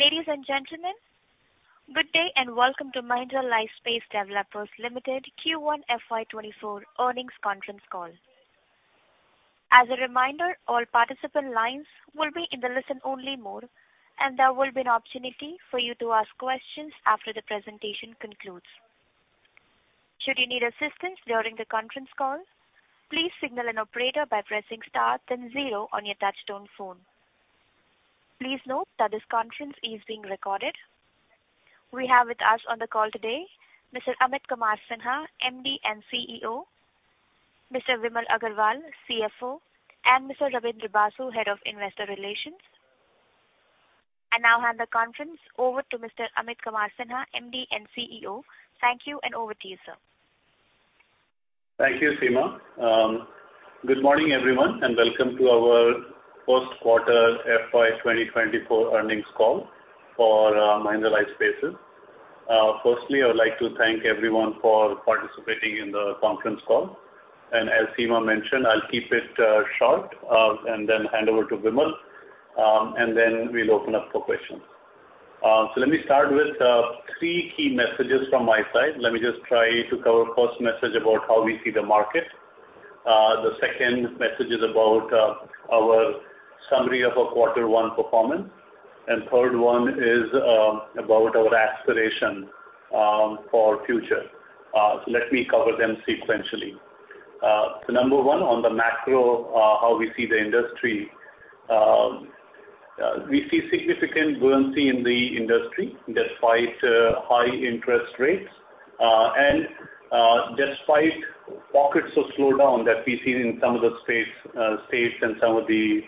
Ladies and gentlemen, good day and welcome to Mahindra Lifespace Developers Limited Q1 FY24 earnings conference call. As a reminder, all participant lines will be in the listen-only mode, and there will be an opportunity for you to ask questions after the presentation concludes. Should you need assistance during the conference call, please signal an operator by pressing star then zero on your touch-tone phone. Please note that this conference is being recorded. We have with us on the call today Mr. Amit Kumar Sinha, MD and CEO, Mr. Vimal Agarwal, CFO, and Mr. Rabindra Basu, Head of Investor Relations. I now hand the conference over to Mr. Amit Kumar Sinha, MD and CEO. Thank you and over to you, sir. Thank you, Seema. Good morning, everyone, and welcome to our first quarter FY2024 earnings call for Mahindra Lifespace. Firstly, I would like to thank everyone for participating in the conference call. And as Seema mentioned, I'll keep it short, and then hand over to Vimal, and then we'll open up for questions. So let me start with three key messages from my side. Let me just try to cover first message about how we see the market. The second message is about our summary of our quarter one performance. And third one is about our aspiration for future. So let me cover them sequentially. So number one, on the macro, how we see the industry, we see significant buoyancy in the industry despite high interest rates. Despite pockets of slowdown that we see in some of the spaces, states and some of the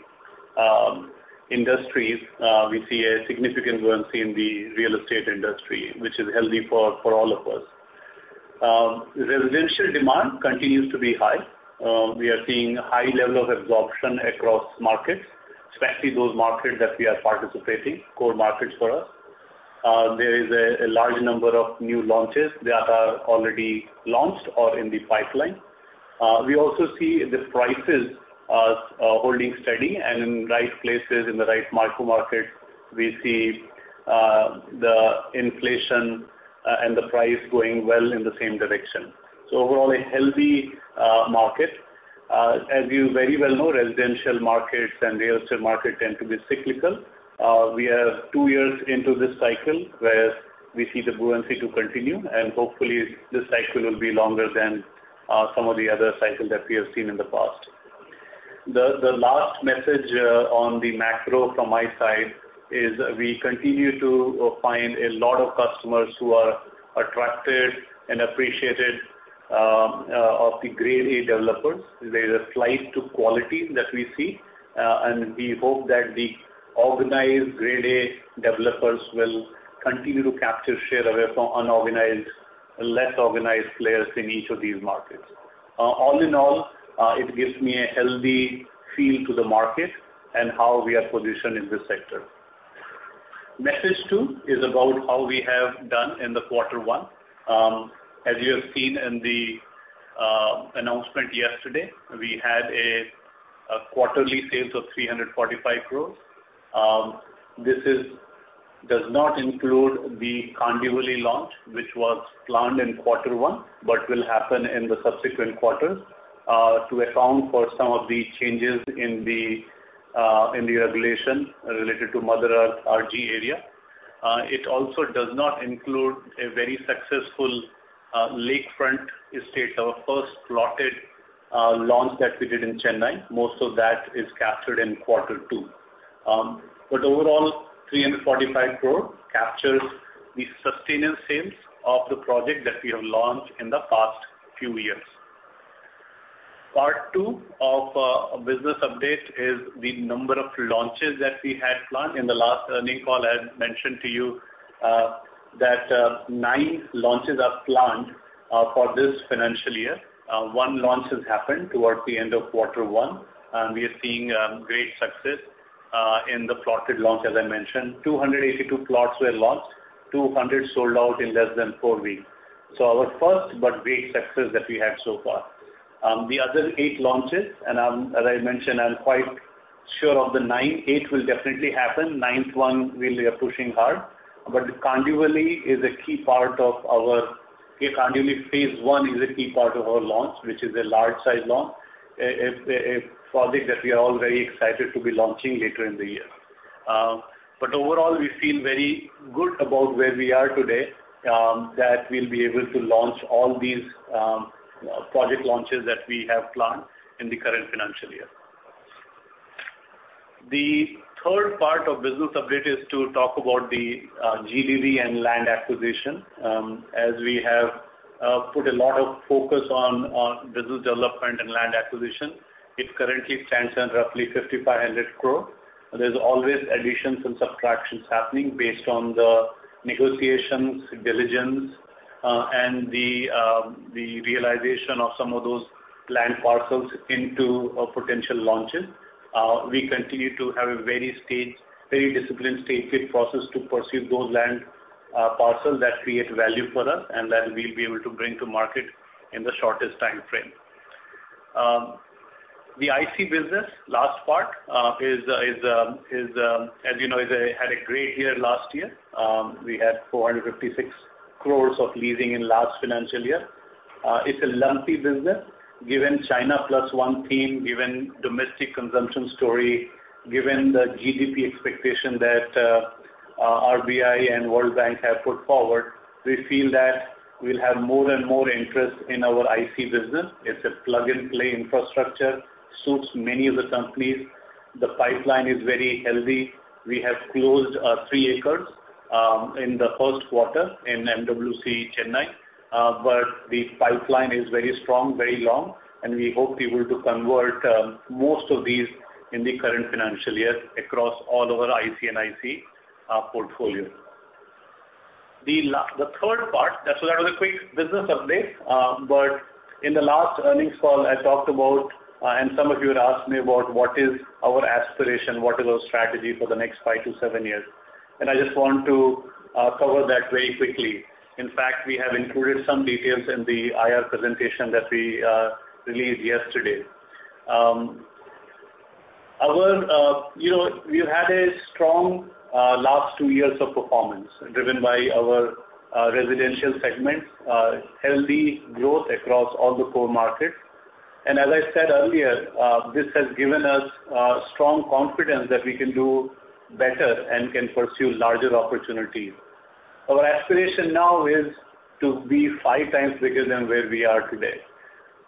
industries, we see a significant buoyancy in the real estate industry, which is healthy for all of us. Residential demand continues to be high. We are seeing a high level of absorption across markets, especially those markets that we are participating, core markets for us. There is a large number of new launches that are already launched or in the pipeline. We also see the prices holding steady. In right places, in the right micro markets, we see the inflation and the price going well in the same direction. So overall, a healthy market. As you very well know, residential markets and real estate market tend to be cyclical. We are two years into this cycle where we see the buoyancy to continue, and hopefully this cycle will be longer than some of the other cycles that we have seen in the past. The last message on the macro from my side is we continue to find a lot of customers who are attracted and appreciated of the Grade A developers. There is a flight to quality that we see, and we hope that the organized Grade A developers will continue to capture share away from unorganized, less organized players in each of these markets. All in all, it gives me a healthy feel to the market and how we are positioned in this sector. Message two is about how we have done in the quarter one. As you have seen in the announcement yesterday, we had a quarterly sales of 345 crores. This does not include the Kandivali launch, which was planned in quarter one but will happen in the subsequent quarters, to account for some of the changes in the regulation related to mandatory RG area. It also does not include a very successful Lakefront Estates, our first plotted launch that we did in Chennai. Most of that is captured in quarter two. Overall, 345 crore captures the sustained sales of the projects that we have launched in the past few years. Part two of a business update is the number of launches that we had planned. In the last earnings call, I had mentioned to you that 9 launches are planned for this financial year. One launch has happened towards the end of quarter one, and we are seeing great success in the plotted launch, as I mentioned. 282 plots were launched, 200 sold out in less than four weeks. So our first but great success that we had so far. The other eight launches and I'm as I mentioned, I'm quite sure of the nine. Eight will definitely happen. Ninth one, we'll be pushing hard. But Kandivali is a key part of our Kandivali phase one is a key part of our launch, which is a large-sized launch, a project that we are all very excited to be launching later in the year. But overall, we feel very good about where we are today, that we'll be able to launch all these project launches that we have planned in the current financial year. The third part of business update is to talk about the GDV and land acquisition. As we have put a lot of focus on business development and land acquisition, it currently stands on roughly 5,500 crore. There's always additions and subtractions happening based on the negotiations, diligence, and the realization of some of those land parcels into potential launches. We continue to have a very staged very disciplined stage-gate process to pursue those land parcels that create value for us and that we'll be able to bring to market in the shortest time frame. The IC business last part is, as you know, it had a great year last year. We had 456 crore of leasing in last financial year. It's a lumpy business given China Plus One theme, given domestic consumption story, given the GDV expectation that RBI and World Bank have put forward. We feel that we'll have more and more interest in our IC business. It's a plug-and-play infrastructure, suits many of the companies. The pipeline is very healthy. We have closed 3 acres in the first quarter in MWC Chennai. But the pipeline is very strong, very long, and we hope we will be able to convert most of these in the current financial year across all of our IC & IC portfolio. The third part. That was a quick business update. In the last earnings call, I talked about, and some of you had asked me about what is our aspiration, what is our strategy for the next 5-7 years. And I just want to cover that very quickly. In fact, we have included some details in the IR presentation that we released yesterday. Our, you know, we've had a strong last two years of performance driven by our residential segments, healthy growth across all the core markets. As I said earlier, this has given us strong confidence that we can do better and can pursue larger opportunities. Our aspiration now is to be five times bigger than where we are today,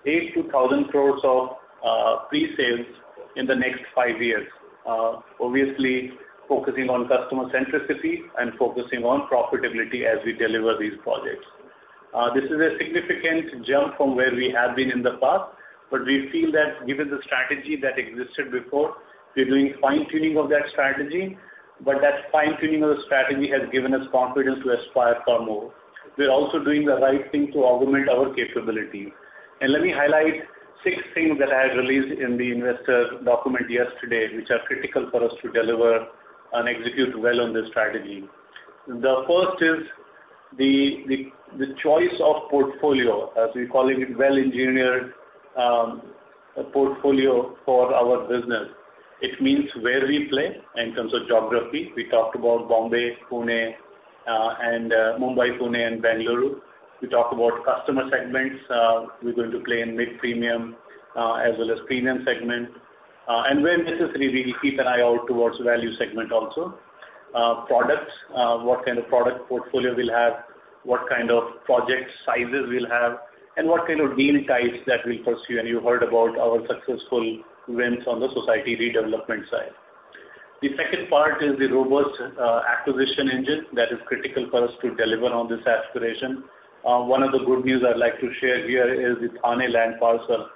8,000 crore-10,000 crore of pre-sales in the next five years, obviously focusing on customer centricity and focusing on profitability as we deliver these projects. This is a significant jump from where we have been in the past, but we feel that given the strategy that existed before, we're doing fine-tuning of that strategy. That fine-tuning of the strategy has given us confidence to aspire for more. We're also doing the right thing to augment our capabilities. Let me highlight six things that I had released in the investor document yesterday, which are critical for us to deliver and execute well on this strategy. The first is the choice of portfolio, as we call it, well-engineered portfolio for our business. It means where we play in terms of geography. We talked about Bombay, Pune, and Mumbai, Pune, and Bengaluru. We talked about customer segments. We're going to play in mid-premium, as well as premium segment. And where necessary, we'll keep an eye out towards value segment also, products, what kind of product portfolio we'll have, what kind of project sizes we'll have, and what kind of deal types that we'll pursue. And you heard about our successful wins on the society redevelopment side. The second part is the robust acquisition engine that is critical for us to deliver on this aspiration. One of the good news I'd like to share here is the Thane land parcel,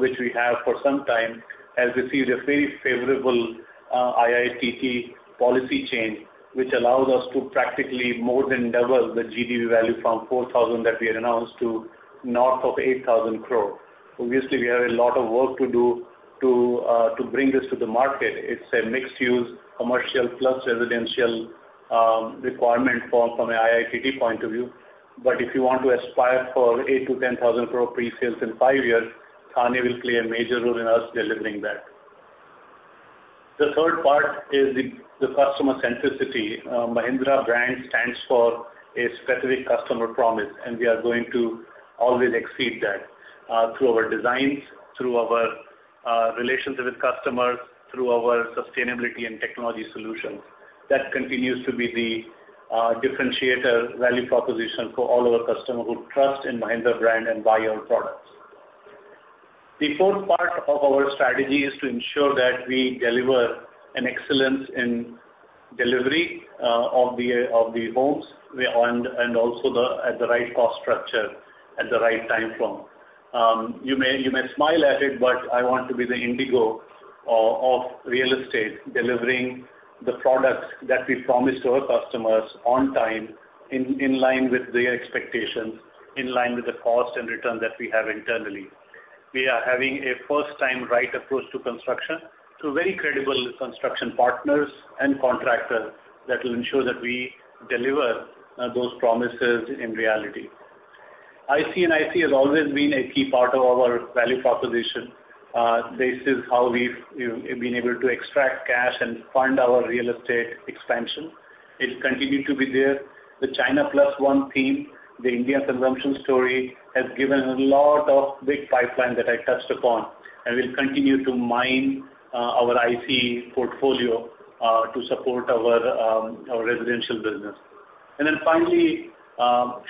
which we have for some time has received a very favorable IT/ITES policy change, which allows us to practically more than double the GDV value from 4,000 crore that we had announced to north of 8,000 crore. Obviously, we have a lot of work to do to bring this to the market. It's a mixed-use commercial plus residential requirement from an IT/ITES point of view. But if you want to aspire for 8,000 crore-10,000 crore pre-sales in five years, Thane will play a major role in us delivering that. The third part is the customer centricity. Mahindra brand stands for a specific customer promise, and we are going to always exceed that through our designs, through our relationship with customers, through our sustainability and technology solutions. That continues to be the differentiator value proposition for all of our customers who trust in Mahindra brand and buy our products. The fourth part of our strategy is to ensure that we deliver an excellence in delivery of the homes we own and also at the right cost structure at the right time frame. You may smile at it, but I want to be the IndiGo of real estate, delivering the products that we promised our customers on time, in line with their expectations, in line with the cost and return that we have internally. We are having a first-time right approach to construction, to very credible construction partners and contractors that will ensure that we deliver those promises in reality. IC & IC has always been a key part of our value proposition. This is how we've been able to extract cash and fund our real estate expansion. It continued to be there. The China Plus One theme, the Indian consumption story, has given a lot of big pipeline that I touched upon and will continue to mine our IC portfolio to support our residential business. And then finally,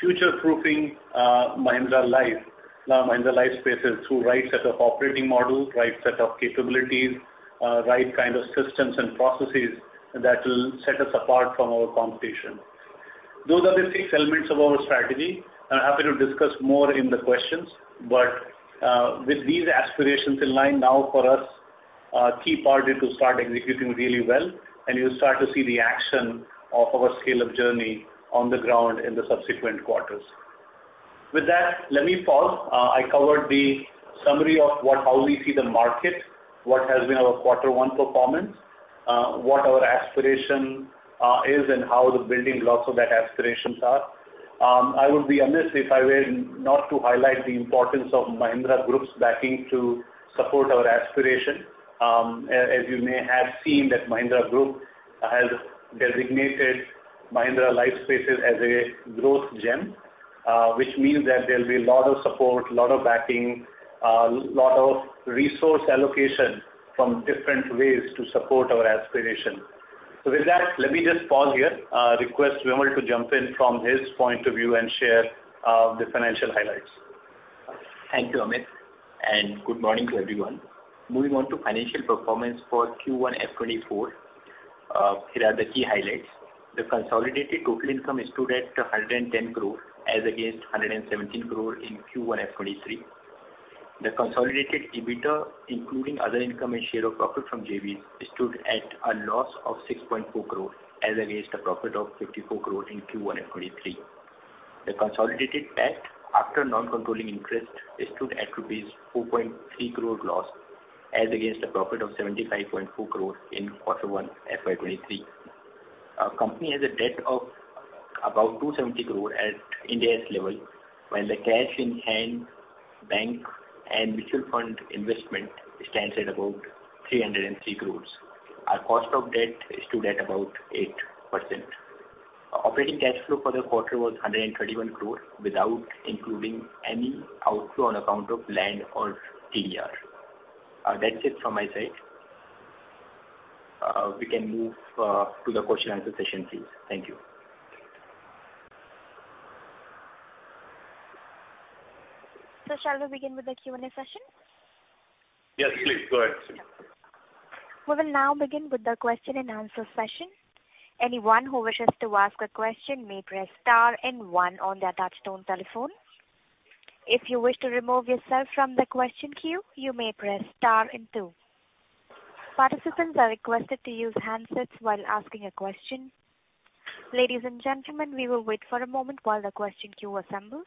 future-proofing Mahindra Lifespaces through right set of operating model, right set of capabilities, right kind of systems and processes that will set us apart from our competition. Those are the six elements of our strategy. I'm happy to discuss more in the questions. But with these aspirations in line now for us, key part is to start executing really well, and you'll start to see the action of our scale-up journey on the ground in the subsequent quarters. With that, let me pause. I covered the summary of what, how we see the market, what has been our quarter one performance, what our aspiration is, and how the building blocks of that aspiration are. I would be amiss if I were not to highlight the importance of Mahindra Group's backing to support our aspiration. As you may have seen, Mahindra Group has designated Mahindra Lifespaces as a Growth Gem, which means that there'll be a lot of support, a lot of backing, a lot of resource allocation from different ways to support our aspiration. So with that, let me just pause here, request Vimal to jump in from his point of view and share the financial highlights. Thank you, Amit. Good morning to everyone. Moving on to financial performance for Q1 F24, here are the key highlights. The consolidated total income stood at 110 crore as against 117 crore in Q1 F23. The consolidated EBITDA, including other income and share of profit from JVs, stood at a loss of 6.4 crore as against a profit of 54 crore in Q1 F23. The consolidated PAT, after non-controlling interest, stood at rupees 4.3 crore loss as against a profit of 75.4 crore in quarter one FY23. The company has a debt of about 270 crore at Ind AS level, while the cash in hand, bank, and mutual fund investment stands at about 303 crore. Our cost of debt stood at about 8%. Operating cash flow for the quarter was 131 crore without including any outflow on account of land or TDR. That's it from my side. We can move to the question-and-answer session, please. Thank you. Shall we begin with the Q&A session? Yes, please. Go ahead. We will now begin with the question-and-answer session. Anyone who wishes to ask a question may press star and one on the touch-tone telephone. If you wish to remove yourself from the question queue, you may press star and two. Participants are requested to use handsets while asking a question. Ladies and gentlemen, we will wait for a moment while the question queue assembles.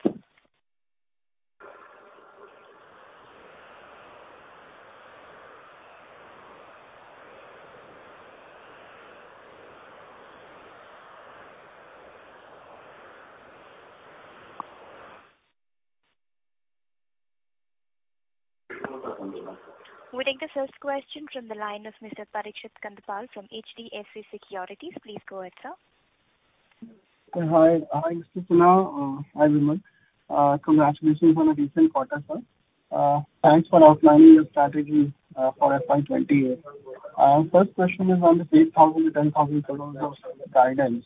Reading the first question from the line of Mr. Parikshit Kandpal from HDFC Securities. Please go ahead, sir. Hi. Hi, Mr. Sinha. Hi, Vimal. Congratulations on a decent quarter, sir. Thanks for outlining your strategy for FY28. First question is on this 8,000-10,000 crores of guidance.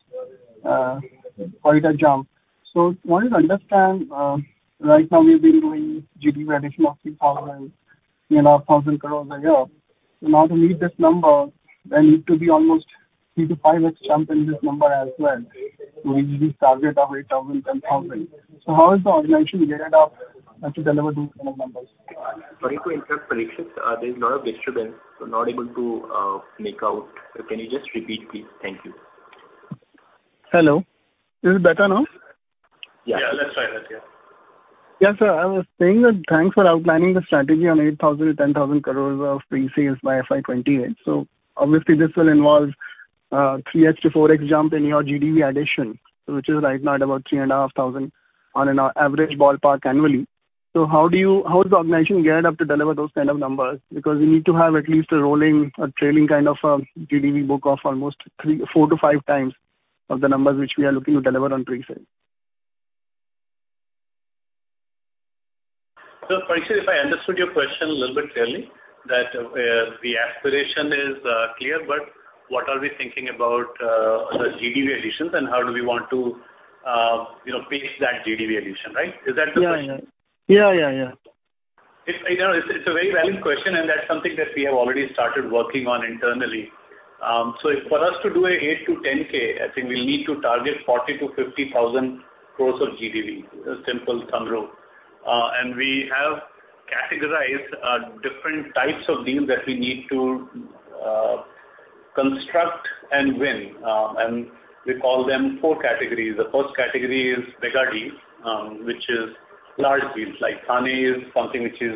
Quite a jump. So I wanted to understand, right now, we've been doing GDV addition of 3,000, you know, 1,000 crores a year. So now to meet this number, there needs to be almost 3-5x jump in this number as well. So we need to target of 8,000, 10,000. So how is the organization geared up to deliver these kind of numbers? Sorry to interrupt, Parikshit. There's a lot of disturbance. We're not able to make out. Can you just repeat, please? Thank you. Hello. Is it better now? Yes. Yeah. Let's try that, yeah. Yeah, sir. I was saying that thanks for outlining the strategy on 8,000 crore-10,000 crore of pre-sales by FY28. So obviously, this will involve, 3x-4x jump in your GDV addition, which is right now at about 3,500 crore on an average ballpark annually. So how is the organization geared up to deliver those kind of numbers? Because we need to have at least a rolling, a trailing kind of, GDV book off almost 3-4 to 5 times of the numbers which we are looking to deliver on pre-sale. So, Parikshit, if I understood your question a little bit clearly, that, the aspiration is, clear. But what are we thinking about, the GDV additions, and how do we want to, you know, pace that GDV addition, right? Is that the question? Yeah, yeah. Yeah, yeah, yeah. It's a it's a very valid question, and that's something that we have already started working on internally. So for us to do 8,000 crore-10,000 crore, I think we'll need to target 40,000 crore-50,000 crore of GDV, a simple summary. And we have categorized different types of deals that we need to construct and win. And we call them four categories. The first category is mega deals, which is large deals, like Thane is something which is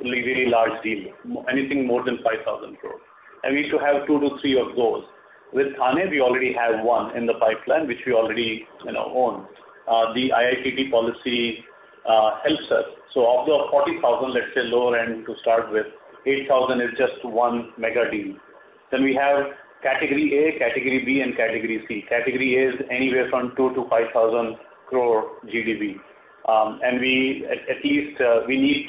a really large deal, anything more than 5,000 crore. And we need to have two to three of those. With Thane, we already have one in the pipeline, which we already, you know, own. The IT/ITES policy helps us. So of the 40,000 crore, let's say lower end to start with, 8,000 crore is just one mega deal. Then we have category A, category B, and category C. Category A is anywhere from 2,000 crore to 5,000 crore GDV. And we at least, we need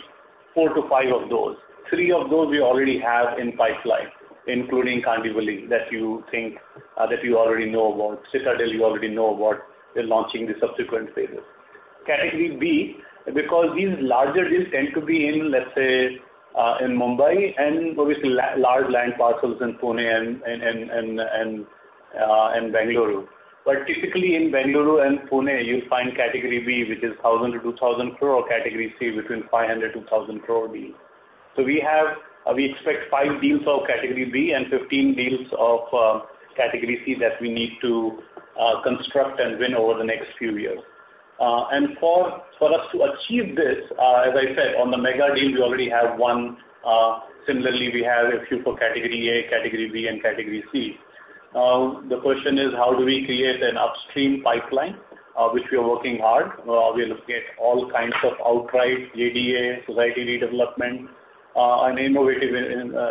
4-5 of those. 3 of those, we already have in pipeline, including Kandivali that you think, that you already know about. Citadel, you already know about, they're launching the subsequent phases. Category B, because these larger deals tend to be in, let's say, in Mumbai and obviously large land parcels in Pune and Bengaluru. But typically, in Bengaluru and Pune, you'll find category B, which is 1,000 crore-2,000 crore, or category C, between 500 crore-1,000 crore deals. So we expect 5 deals of category B and 15 deals of category C that we need to construct and win over the next few years. And for us to achieve this, as I said, on the mega deal, we already have one. Similarly, we have a few for category A, category B, and category C. The question is, how do we create an upstream pipeline, which we are working hard? We are looking at all kinds of outright JDA, society redevelopment, and innovative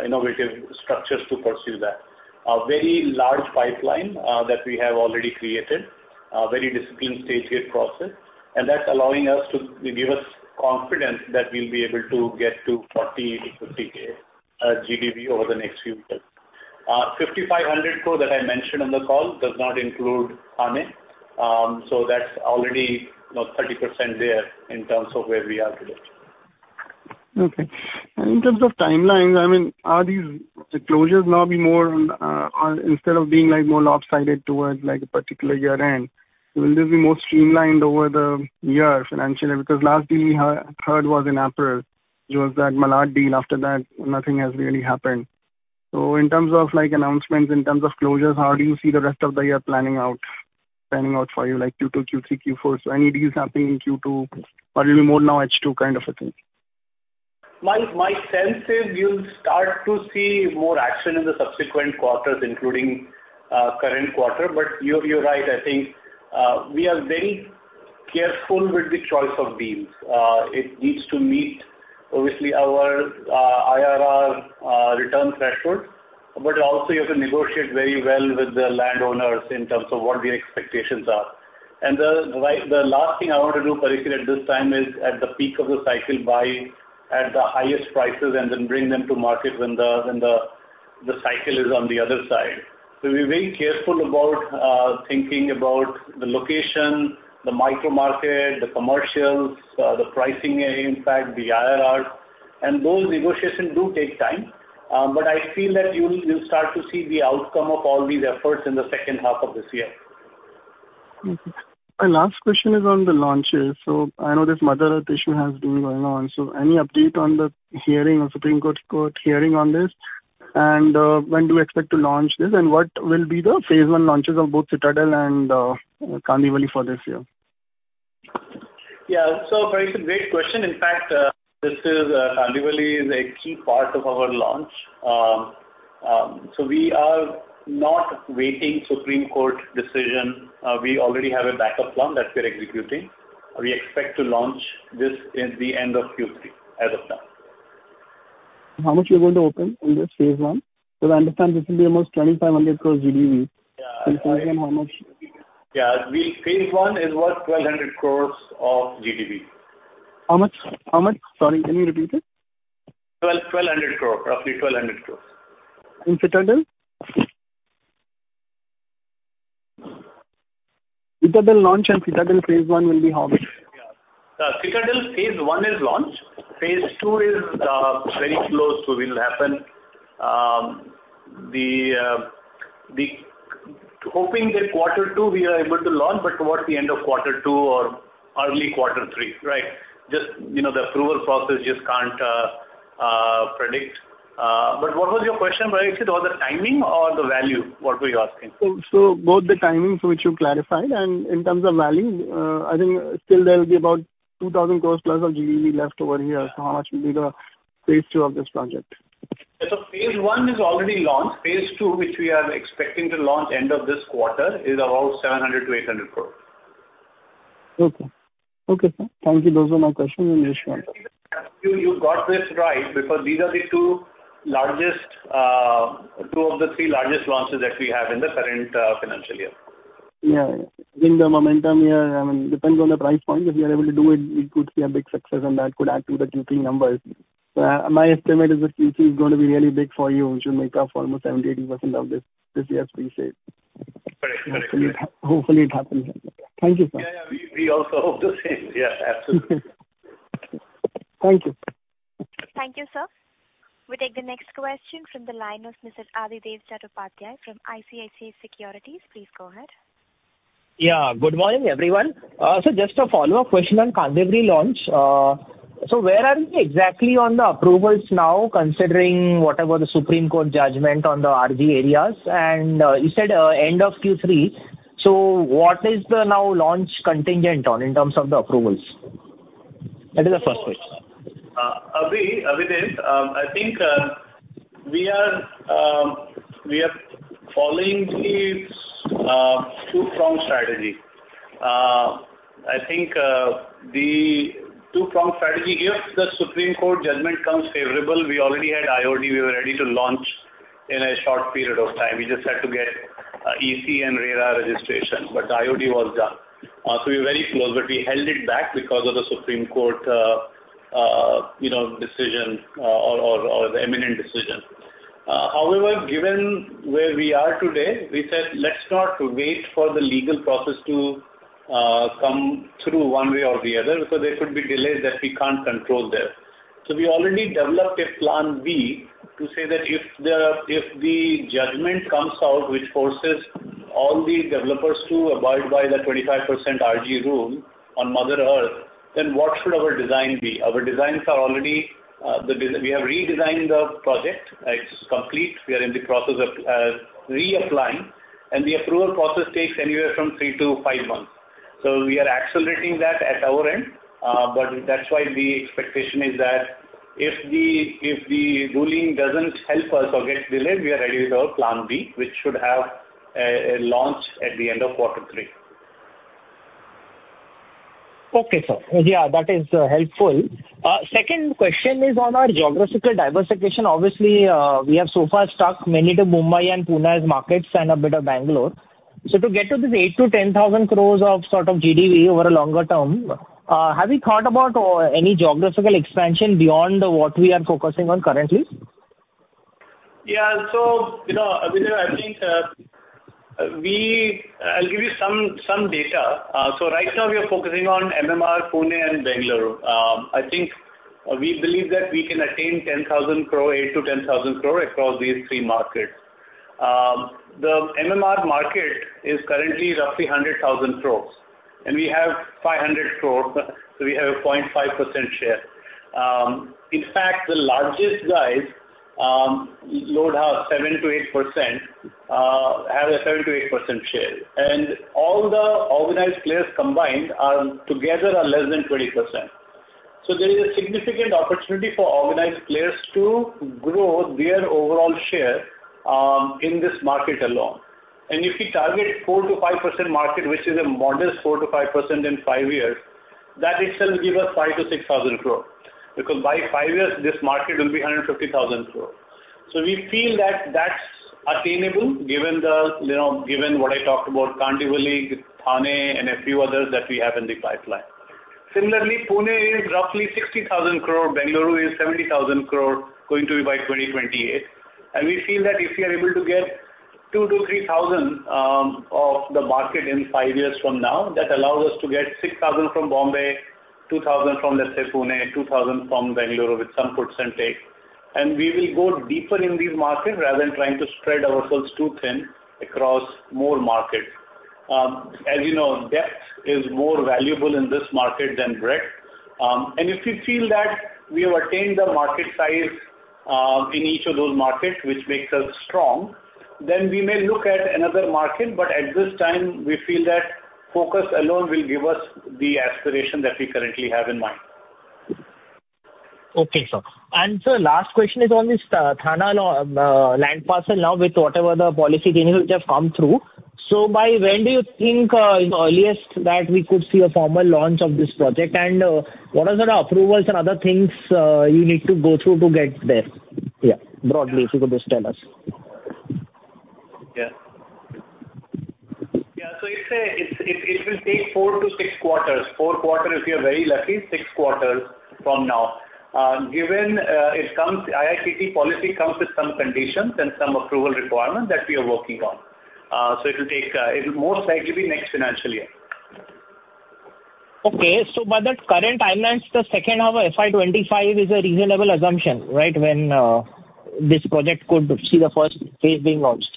innovative structures to pursue that. A very large pipeline, that we have already created, a very disciplined stage gate process. And that's allowing us to give us confidence that we'll be able to get to 40-50K GDV over the next few years. 5,500 crore that I mentioned on the call does not include Thane. So that's already, you know, 30% there in terms of where we are today. Okay. And in terms of timelines, I mean, are these closures now be more, or instead of being, like, more lopsided towards, like, a particular year-end, will this be more streamlined over the year financially? Because last deal we heard was in April, which was that Malad deal. After that, nothing has really happened. So in terms of, like, announcements, in terms of closures, how do you see the rest of the year planning out, planning out for you, like Q2, Q3, Q4? So any deals happening in Q2, or it'll be more now H2 kind of a thing? My sense is you'll start to see more action in the subsequent quarters, including current quarter. But you're right. I think we are very careful with the choice of deals. It needs to meet, obviously, our IRR return thresholds. But also, you have to negotiate very well with the landowners in terms of what the expectations are. And the right, the last thing I want to do, Parikshit, at this time is, at the peak of the cycle, buy at the highest prices and then bring them to market when the cycle is on the other side. So we're very careful about thinking about the location, the micro-market, the commercials, the pricing impact, the IRR. And those negotiations do take time. But I feel that you'll start to see the outcome of all these efforts in the second half of this year. Okay. My last question is on the launches. So I know this mandatory issue has been going on. So any update on the hearing or Supreme Court hearing on this? And when do you expect to launch this? And what will be the Phase 1 launches of both Citadel and Kandivali for this year? Yeah. So, Parikshit, great question. In fact, this is, Kandivali is a key part of our launch. So we are not waiting Supreme Court decision. We already have a backup plan that we're executing. We expect to launch this at the end of Q3 as of now. How much you're going to open in this phase one? Because I understand this will be almost 2,500 crore GDV. Yeah. In phase one, how much? Yeah. Well, phase one is worth 1,200 crore of GDV. How much? How much? Sorry. Can you repeat it? 1,200 crore. Roughly INR 1,200 crores. In Citadel? Citadel launch and Citadel phase one will be how big? Yeah. Citadel phase one is launched. Phase two is very close. So it will happen. We're hoping that quarter two, we are able to launch, but towards the end of quarter two or early quarter three, right? Just, you know, the approval process just can't predict. But what was your question, Parikshit? Was the timing or the value? What were you asking? So, both the timing for which you clarified. In terms of value, I think still there'll be about 2,000 crore+ of GDV left over here. How much will be the phase two of this project? Yeah. Phase one is already launched. Phase two, which we are expecting to launch end of this quarter, is about 700 crores-800 crores. Okay. Okay, sir. Thank you. Those were my questions. I wish you answers. You got this right because these are the two largest, two of the three largest launches that we have in the current financial year. Yeah, yeah. I think the momentum here, I mean, depends on the price point. If we are able to do it, it would be a big success, and that could add to the Q3 numbers. So my estimate is that Q3 is going to be really big for you. You should make up almost 70%-80% of this year's pre-sale. Correct. Correct. Hopefully, it happens. Thank you, sir. Yeah, yeah. We, we also hope the same. Yeah. Absolutely. Thank you. Thank you, sir. We take the next question from the line of Mr. Adidev Chattopadhyay from ICICI Securities. Please go ahead. Yeah. Good morning, everyone. So just a follow-up question on Kandivali launch. So where are we exactly on the approvals now considering whatever the Supreme Court judgment on the RG areas? And you said end of Q3. So what is the now launch contingent on in terms of the approvals? That is the first question. Abhi, Adidev, I think we are following the two-pronged strategy. I think the two-pronged strategy gives the Supreme Court judgment comes favorable. We already had IOD. We were ready to launch in a short period of time. We just had to get EC and RERA registration. But the IOD was done, so we were very close. But we held it back because of the Supreme Court, you know, decision, or the imminent decision. However, given where we are today, we said, "Let's not wait for the legal process to come through one way or the other because there could be delays that we can't control there." So we already developed a plan B to say that if the if the judgment comes out, which forces all the developers to abide by the 25% RG rule on mandatory, then what should our design be? Our designs are already. The designs we have redesigned the project. It's complete. We are in the process of reapplying. The approval process takes anywhere from 3-5 months. So we are accelerating that at our end. But that's why the expectation is that if the ruling doesn't help us or gets delayed, we are ready with our plan B, which should have a launch at the end of quarter three. Okay, sir. Yeah, that is helpful. Second question is on our geographical diversification. Obviously, we have so far stuck mainly to Mumbai and Pune as markets and a bit of Bangalore. So to get to this 8,000 crore-10,000 crore of sort of GDV over a longer term, have you thought about any geographical expansion beyond what we are focusing on currently? Yeah. So, you know, Adidev, I think, we I'll give you some, some data. So right now, we are focusing on MMR, Pune, and Bangalore. I think we believe that we can attain 10,000 crore, 8,000-10,000 crore across these three markets. The MMR market is currently roughly 100,000 crores. And we have 500 crores. So we have a 0.5% share. In fact, the largest guys, Lodha 7%-8%, have a 7%-8% share. And all the organized players combined are together less than 20%. So there is a significant opportunity for organized players to grow their overall share, in this market alone. And if we target 4%-5% market, which is a modest 4%-5% in five years, that itself will give us 5,000-6,000 crore. Because by five years, this market will be 150,000 crore. So we feel that that's attainable given the, you know, given what I talked about, Kandivali, Thane, and a few others that we have in the pipeline. Similarly, Pune is roughly 60,000 crore. Bangalore is 70,000 crore going to be by 2028. And we feel that if we are able to get 2,000 crore-3,000 crore of the market in five years from now, that allows us to get 6,000 crore from Bombay, 2,000 crore from, let's say, Pune, 2,000 crore from Bangalore with some puts and takes. And we will go deeper in these markets rather than trying to spread ourselves too thin across more markets. As you know, depth is more valuable in this market than breadth. If we feel that we have attained the market size, in each of those markets, which makes us strong, then we may look at another market. At this time, we feel that focus alone will give us the aspiration that we currently have in mind. Okay, sir. And, sir, last question is on this Thane large land parcel now with whatever the policy changes which have come through. So by when do you think, in the earliest, that we could see a formal launch of this project? And, what are sort of approvals and other things you need to go through to get there? Yeah, broadly, if you could just tell us. Yeah. Yeah. So it will take four to six quarters. Four quarters, if you're very lucky, six quarters from now. Given the IT/ITES policy comes with some conditions and some approval requirements that we are working on, so it'll most likely be next financial year. Okay. So by the current timelines, the second half of FY25 is a reasonable assumption, right, when this project could see the first phase being launched?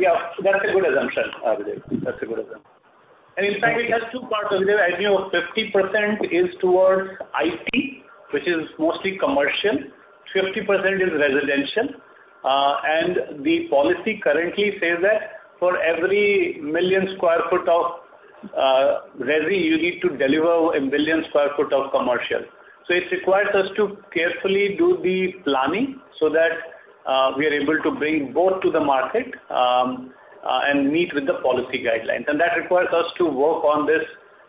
Yeah. That's a good assumption, Adidev. That's a good assumption. And in fact, it has two parts. Adidev, as you know, 50% is towards IT, which is mostly commercial. 50% is residential, and the policy currently says that for every 1 million sq ft of Resi, you need to deliver 1 million sq ft of commercial. So it requires us to carefully do the planning so that we are able to bring both to the market, and meet with the policy guidelines. And that requires us to work on this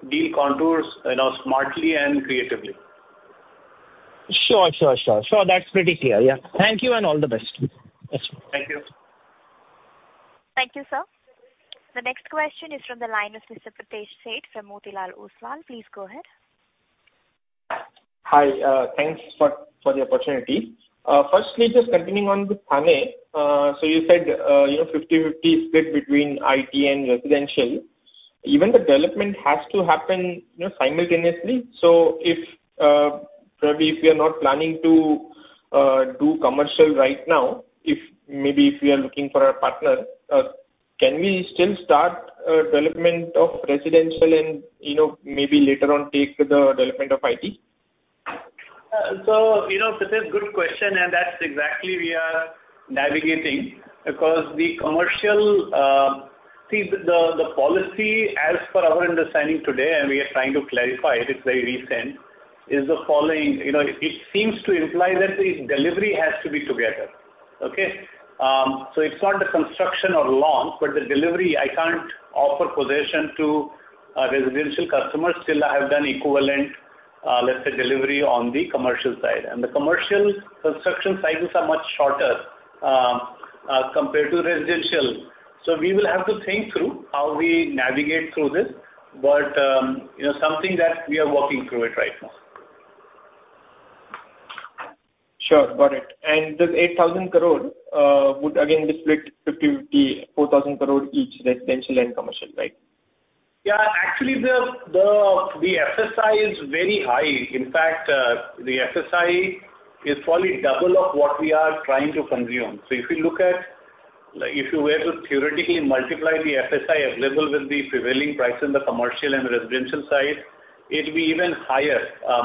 deal contours, you know, smartly and creatively. Sure, sure, sure. Sure. That's pretty clear. Yeah. Thank you and all the best. Yes, sir. Thank you. Thank you, sir. The next question is from the line of Mr. Pritesh Sheth from Motilal Oswal. Please go ahead. Hi. Thanks for the opportunity. Firstly, just continuing on with Thane, so you said, you know, 50/50 split between IT and residential. Even the development has to happen, you know, simultaneously. So if, probably if we are not planning to do commercial right now, if maybe if we are looking for a partner, can we still start a development of residential and, you know, maybe later on take the development of IT? So, you know, this is a good question. And that's exactly we are navigating because the commercial, see, the policy, as per our understanding today, and we are trying to clarify it. It's very recent. Is the following you know, it seems to imply that the delivery has to be together, okay? So it's not the construction or launch, but the delivery. I can't offer possession to residential customers till I have done equivalent, let's say, delivery on the commercial side. And the commercial construction cycles are much shorter, compared to residential. So we will have to think through how we navigate through this. But, you know, something that we are working through it right now. Sure. Got it. And this 8,000 crore, would, again, be split 50/50, 4,000 crore each, residential and commercial, right? Yeah. Actually, the FSI is very high. In fact, the FSI is probably double of what we are trying to consume. So if you look at like, if you were to theoretically multiply the FSI available with the prevailing price in the commercial and residential side, it'd be even higher,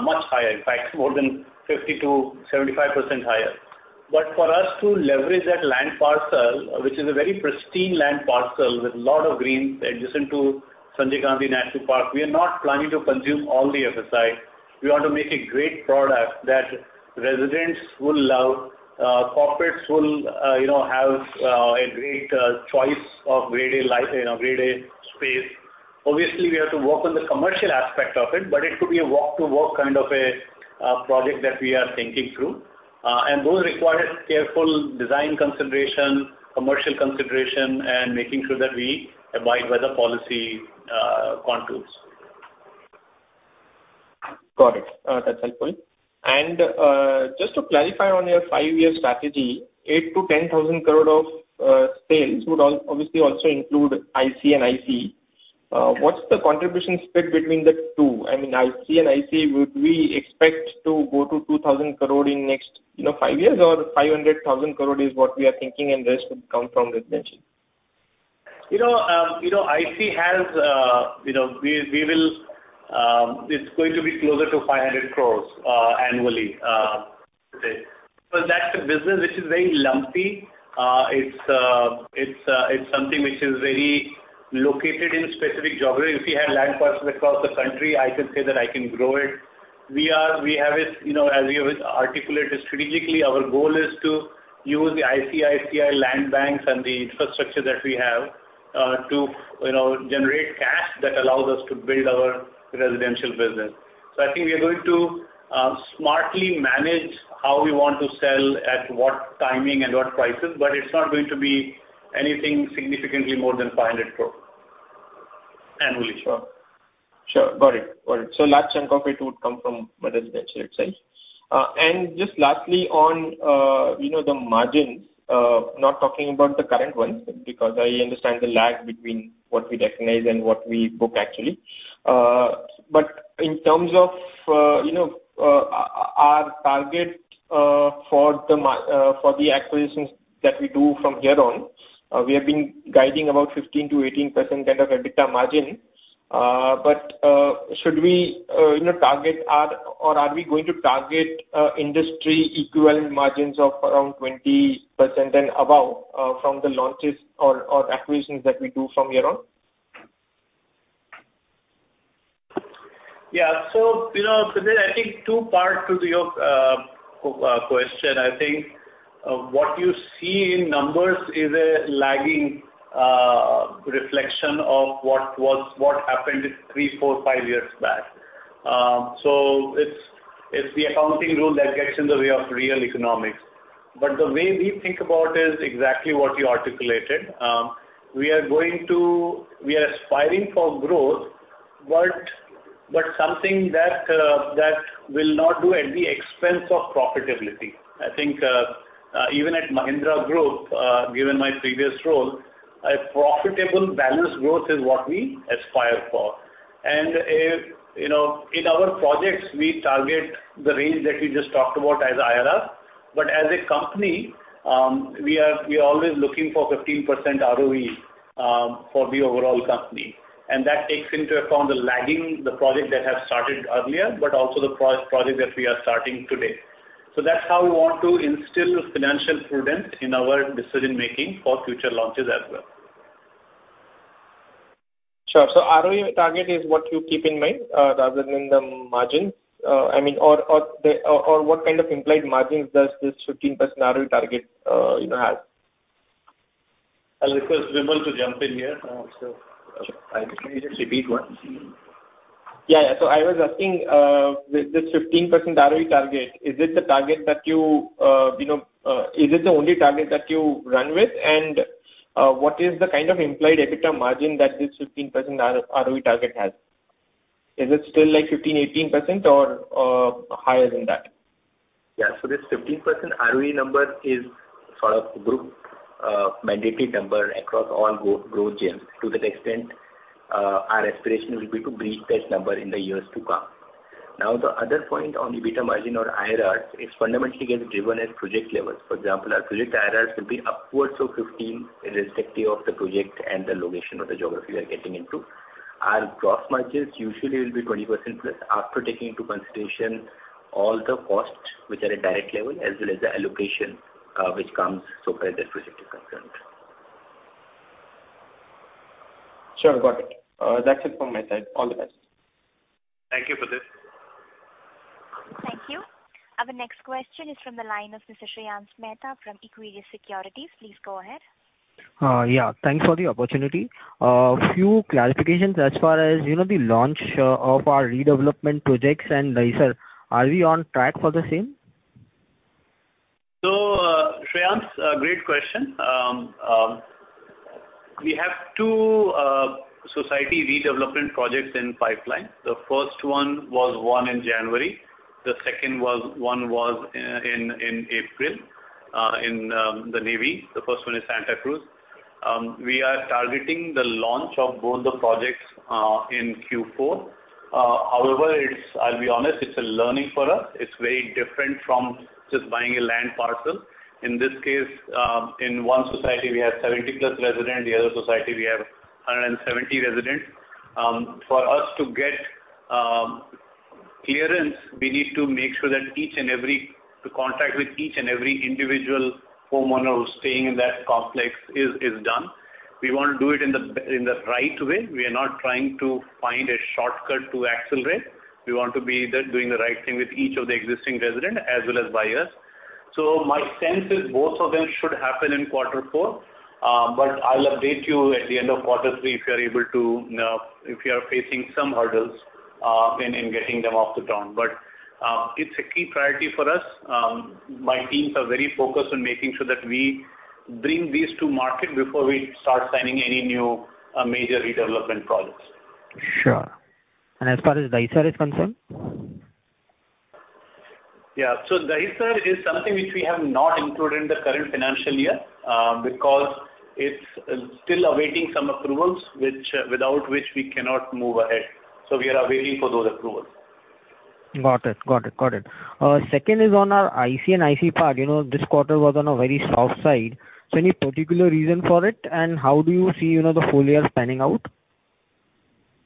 much higher. In fact, more than 50%-75% higher. But for us to leverage that land parcel, which is a very pristine land parcel with a lot of greens adjacent to Sanjay Gandhi National Park, we are not planning to consume all the FSI. We want to make a great product that residents will love, corporates will, you know, have, a great, choice of Grade A light you know, Grade A space. Obviously, we have to work on the commercial aspect of it. But it could be a walk-to-work kind of a project that we are thinking through. Those require careful design consideration, commercial consideration, and making sure that we abide by the policy contours. Got it. That's helpful. Just to clarify on your five-year strategy, 8,000-10,000 crore of sales would all obviously also include IC & IC. What's the contribution split between the two? I mean, IC & IC, would we expect to go to 2,000 crore in next, you know, five years? Or 500,000 crore is what we are thinking, and the rest would come from residential? You know, IC&IC has, you know, we will, it's going to be closer to 500 crore annually, let's say. Because that's a business which is very lumpy. It's something which is very located in specific geography. If we had land parcels across the country, I can say that I can grow it. We have it, you know, as we have articulated strategically, our goal is to use the IC&IC land banks and the infrastructure that we have, to, you know, generate cash that allows us to build our residential business. So I think we are going to smartly manage how we want to sell, at what timing and what prices. But it's not going to be anything significantly more than 500 crore annually. Sure. Sure. Got it. Got it. So a large chunk of it would come from the residential itself. Just lastly, on, you know, the margins, not talking about the current ones because I understand the lag between what we recognize and what we book, actually. But in terms of, you know, our target, for the ma for the acquisitions that we do from here on, we have been guiding about 15%-18% kind of EBITDA margin. But, should we, you know, target our or are we going to target, industry-equivalent margins of around 20% and above, from the launches or, or acquisitions that we do from here on? Yeah. So, you know, Pritesh, I think two parts to your question. I think what you see in numbers is a lagging reflection of what was what happened 3, 4, 5 years back. So it's the accounting rule that gets in the way of real economics. But the way we think about it is exactly what you articulated. We are going to we are aspiring for growth, but something that will not do at the expense of profitability. I think, even at Mahindra Group, given my previous role, a profitable balanced growth is what we aspire for. And, you know, in our projects, we target the range that you just talked about as IRR. But as a company, we are we are always looking for 15% ROE for the overall company. And that takes into account the lagging projects that have started earlier but also the projects that we are starting today. So that's how we want to instill financial prudence in our decision-making for future launches as well. Sure. So ROE target is what you keep in mind, rather than the margins? I mean, or what kind of implied margins does this 15% ROE target, you know, have? I'll request Rabindra to jump in here. Sure. I can maybe just repeat once. Yeah, yeah. So I was asking, this 15% ROE target, is it the target that you, you know, is it the only target that you run with? And, what is the kind of implied EBITDA margin that this 15% ROE target has? Is it still, like, 15, 18%, or higher than that? Yeah. So this 15% ROE number is sort of group-mandated number across all Growth Gems to the extent, our aspiration will be to breach that number in the years to come. Now, the other point on EBITDA margin or IRRs, it fundamentally gets driven at project level. For example, our project IRRs will be upwards of 15%, irrespective of the project and the location or the geography we are getting into. Our gross margins usually will be 20%+ after taking into consideration all the costs, which are at direct level, as well as the allocation, which comes so far as that project is concerned. Sure. Got it. That's it from my side. All the best. Thank you, Pritesh. Thank you. Our next question is from the line of Mr. Shreyans Mehta from Equirius Securities. Please go ahead. Yeah. Thanks for the opportunity. Few clarifications as far as, you know, the launch of our redevelopment projects. And, Dahisar, are we on track for the same? So, Sriyant, great question. We have two society redevelopment projects in pipeline. The first one was won in January. The second one was in April, in Navi Mumbai. The first one is Santacruz. We are targeting the launch of both the projects in Q4. However, it's. I'll be honest. It's a learning for us. It's very different from just buying a land parcel. In this case, in one society, we have 70-plus residents. The other society, we have 170 residents. For us to get clearance, we need to make sure that each and every to contact with each and every individual homeowner who's staying in that complex is done. We want to do it in the right way. We are not trying to find a shortcut to accelerate. We want to be doing the right thing with each of the existing residents as well as buyers. So my sense is both of them should happen in quarter four. But I'll update you at the end of quarter three if you are able to, you know, if you are facing some hurdles in getting them off the ground. But it's a key priority for us. My teams are very focused on making sure that we bring these to market before we start signing any new, major redevelopment projects. Sure. And as far as Dahisar is concerned? Yeah. So Dahisar is something which we have not included in the current financial year, because it's still awaiting some approvals, which without which we cannot move ahead. So we are awaiting for those approvals. Got it. Got it. Got it. Second is on our IC & IC part. You know, this quarter was on a very soft side. So any particular reason for it? And how do you see, you know, the full year panning out?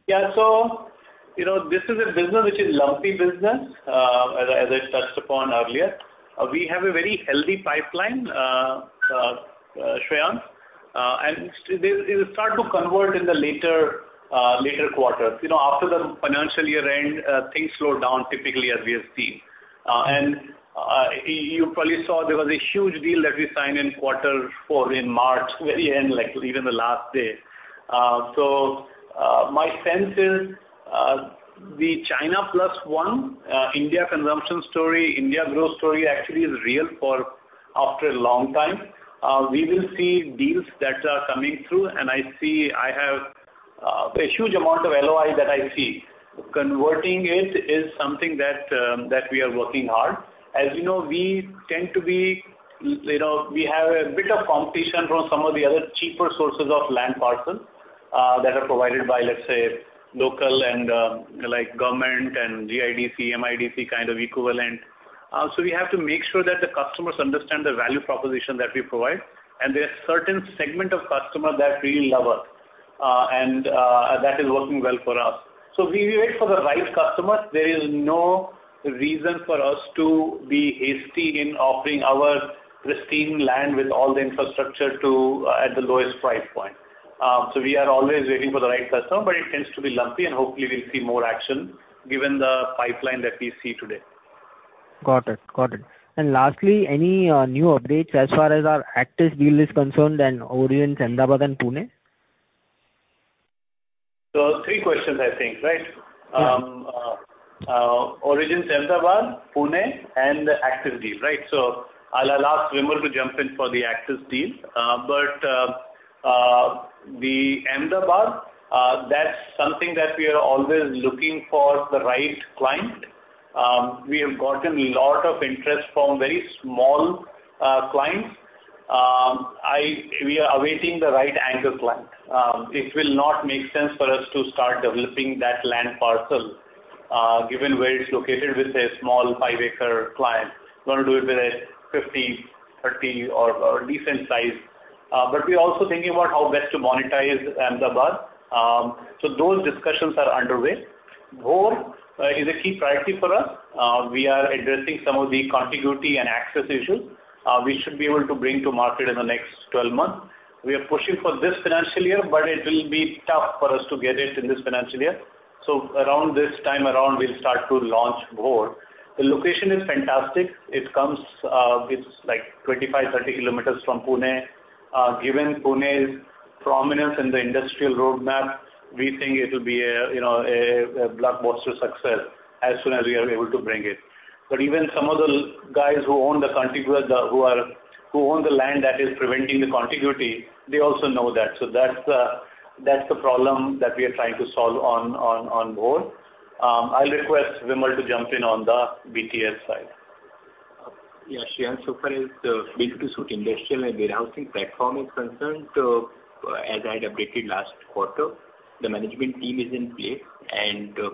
Yeah. So, you know, this is a business which is a lumpy business, as I touched upon earlier. We have a very healthy pipeline, Saurabh. And it's, it'll start to convert in the later, later quarters. You know, after the financial year end, things slow down typically as we have seen. And, you probably saw there was a huge deal that we signed in quarter four, in March, very end, like, even the last day. So, my sense is, the China Plus One, India consumption story, India growth story actually is real for after a long time. We will see deals that are coming through. And I see I have, a huge amount of LOI that I see. Converting it is something that, that we are working hard. As you know, we tend to be, you know, we have a bit of competition from some of the other cheaper sources of land parcels that are provided by, let's say, local and, like, government and GIDC, MIDC kind of equivalent. So we have to make sure that the customers understand the value proposition that we provide. And there are certain segments of customer that really love us, and that is working well for us. So we wait for the right customers. There is no reason for us to be hasty in offering our pristine land with all the infrastructure to at the lowest price point. So we are always waiting for the right customer. But it tends to be lumpy. And hopefully, we'll see more action given the pipeline that we see today. Got it. Got it. And lastly, any new updates as far as our Actis deal is concerned and Origins, Ahmedabad, and Pune? So three questions, I think, right? Yes. Origins, Ahmedabad, Pune, and the Actis deal, right? So I'll, I'll ask Rabindra to jump in for the Actis deal. But the Ahmedabad, that's something that we are always looking for the right client. We have gotten a lot of interest from very small clients. We are awaiting the right anchor client. It will not make sense for us to start developing that land parcel, given where it's located with a small 5-acre client. We want to do it with a 50, 30, or decent size. But we are also thinking about how best to monetize Ahmedabad. So those discussions are underway. Urse is a key priority for us. We are addressing some of the contiguity and access issues, which should be able to bring to market in the next 12 months. We are pushing for this financial year. It will be tough for us to get it in this financial year. Around this time, we'll start to launch Urse. The location is fantastic. It comes, it's, like, 25, 30 kilometers from Pune. Given Pune's prominence in the industrial roadmap, we think it'll be a, you know, a, a blockbuster success as soon as we are able to bring it. Even some of the guys who own the contiguous, who are, who own the land that is preventing the contiguity, they also know that. That's the problem that we are trying to solve on Urse. I'll request Rabindra to jump in on the BTS side. Yeah, Shreyans. So far as the B2B industrial and warehousing platform is concerned, as I had updated last quarter, the management team is in place.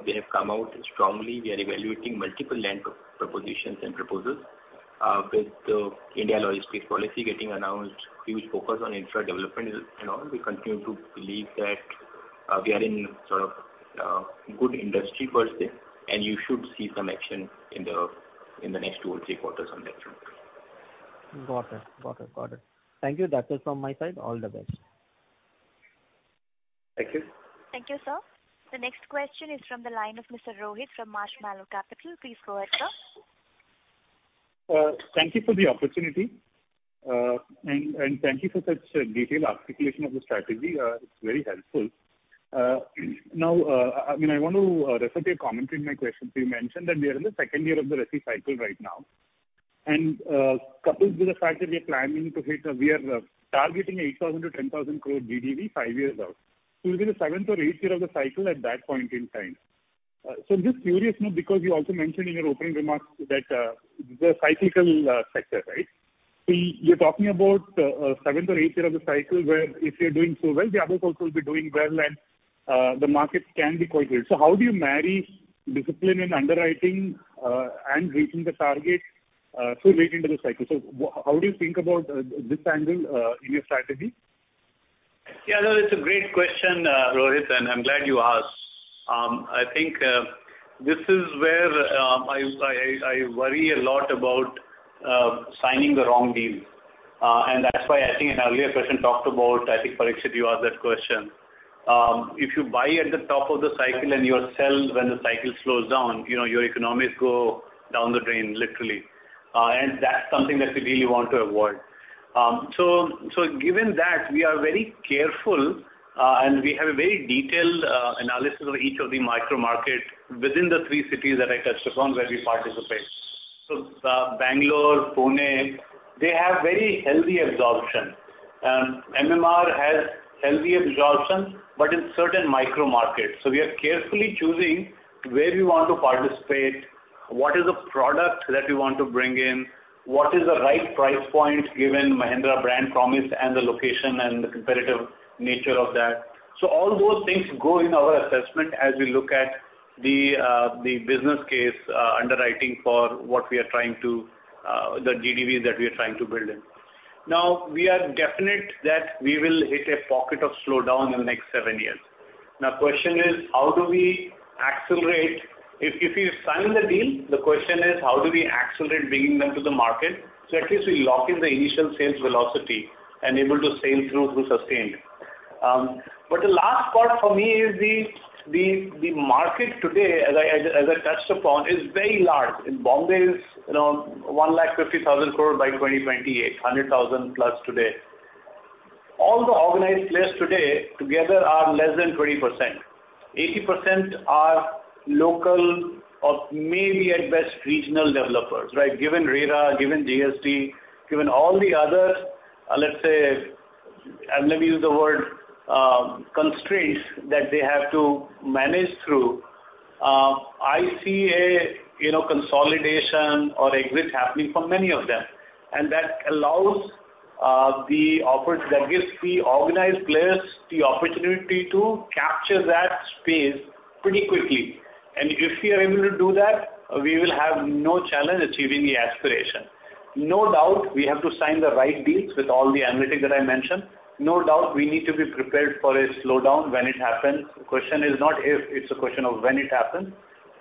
They have come out strongly. We are evaluating multiple land propositions and proposals, with the Indian Logistics Policy getting announced, huge focus on infra development and all. We continue to believe that, we are in sort of, good industry, per se. You should see some action in the next 2 or 3 quarters on that front. Got it. Got it. Got it. Thank you. That's it from my side. All the best. Thank you. Thank you, sir. The next question is from the line of Mr. Rohit from Marshmallow Capital. Please go ahead, sir. Thank you for the opportunity. And, and thank you for such detailed articulation of the strategy. It's very helpful. Now, I mean, I want to refer to your commentary in my question. So you mentioned that we are in the second year of the Resi cycle right now. And, coupled with the fact that we are planning to hit a we are, targeting a 8,000-10,000 crore GDV five years out, so it'll be the seventh or eighth year of the cycle at that point in time. So I'm just curious, you know, because you also mentioned in your opening remarks that it's a cyclical sector, right? So you're talking about the seventh or eighth year of the cycle where if you're doing so well, the others also will be doing well. And the markets can be quite good. How do you marry discipline in underwriting, and reaching the target, so late into the cycle? How do you think about this angle in your strategy? Yeah. No, it's a great question, Rohit. And I'm glad you asked. I think, this is where, I worry a lot about signing the wrong deals. And that's why, I think, in an earlier question, talked about I think, Parikshit, you asked that question. If you buy at the top of the cycle and you sell when the cycle slows down, you know, your economies go down the drain, literally. And that's something that we really want to avoid. So given that, we are very careful, and we have a very detailed analysis of each of the micro markets within the three cities that I touched upon where we participate. So, Bangalore, Pune, they have very healthy absorption. MMR has healthy absorption but in certain micro markets. So we are carefully choosing where we want to participate, what is the product that we want to bring in, what is the right price point given Mahindra brand promise and the location and the competitive nature of that. So all those things go in our assessment as we look at the business case, underwriting for what we are trying to the GDVs that we are trying to build in. Now, we are definite that we will hit a pocket of slowdown in the next seven years. Now, question is, how do we accelerate if we sign the deal, the question is, how do we accelerate bringing them to the market so at least we lock in the initial sales velocity and able to sell through sustained? But the last part for me is the market today, as I touched upon, is very large. In Bombay is, you know, 150,000 crore by 2028, 100,000+ today. All the organized players today together are less than 20%. 80% are local or maybe, at best, regional developers, right, given RERA, given GST, given all the other, let's say and let me use the word, constraints that they have to manage through. I see a, you know, consolidation or exit happening for many of them. And that allows, the opportunity that gives the organized players the opportunity to capture that space pretty quickly. And if we are able to do that, we will have no challenge achieving the aspiration. No doubt, we have to sign the right deals with all the analytics that I mentioned. No doubt, we need to be prepared for a slowdown when it happens. The question is not if. It's a question of when it happens.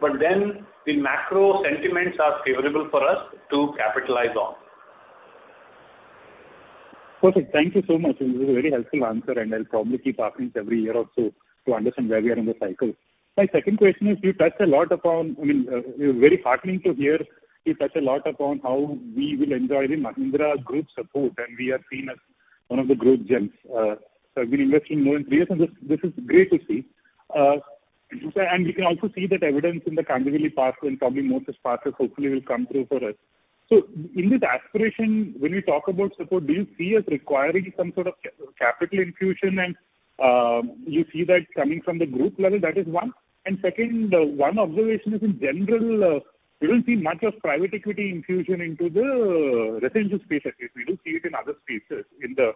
But then the macro sentiments are favorable for us to capitalize on. Perfect. Thank you so much. And this is a very helpful answer. And I'll probably keep asking it every year or so to understand where we are in the cycle. My second question is, you touched a lot upon I mean, it was very heartening to hear you touch a lot upon how we will enjoy the Mahindra Group support. And we are seen as one of the Growth Gems. So I've been investing more in three years. And this, this is great to see. And we can also see that evidence in the Kandivali parcel. And probably more such parcels, hopefully, will come through for us. So in this aspiration, when we talk about support, do you see us requiring some sort of capital infusion? And, do you see that coming from the group level? That is one. Second, one observation is, in general, we don't see much of private equity infusion into the residential space, at least. We do see it in other spaces in the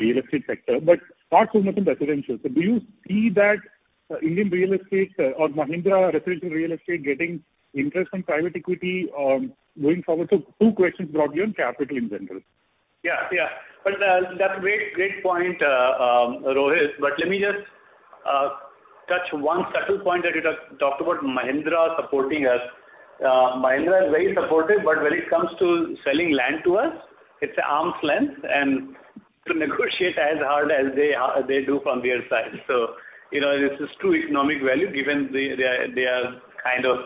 real estate sector but not so much in residential. So do you see that Indian real estate or Mahindra residential real estate getting interest from private equity, going forward? So two questions broadly on capital in general. Yeah. Yeah. But that's a great, great point, Rohit. But let me just touch one subtle point that you talked about, Mahindra supporting us. Mahindra is very supportive. But when it comes to selling land to us, it's an arm's length. And to negotiate as hard as they have they do from their side. So, you know, this is true economic value given the, they are kind of,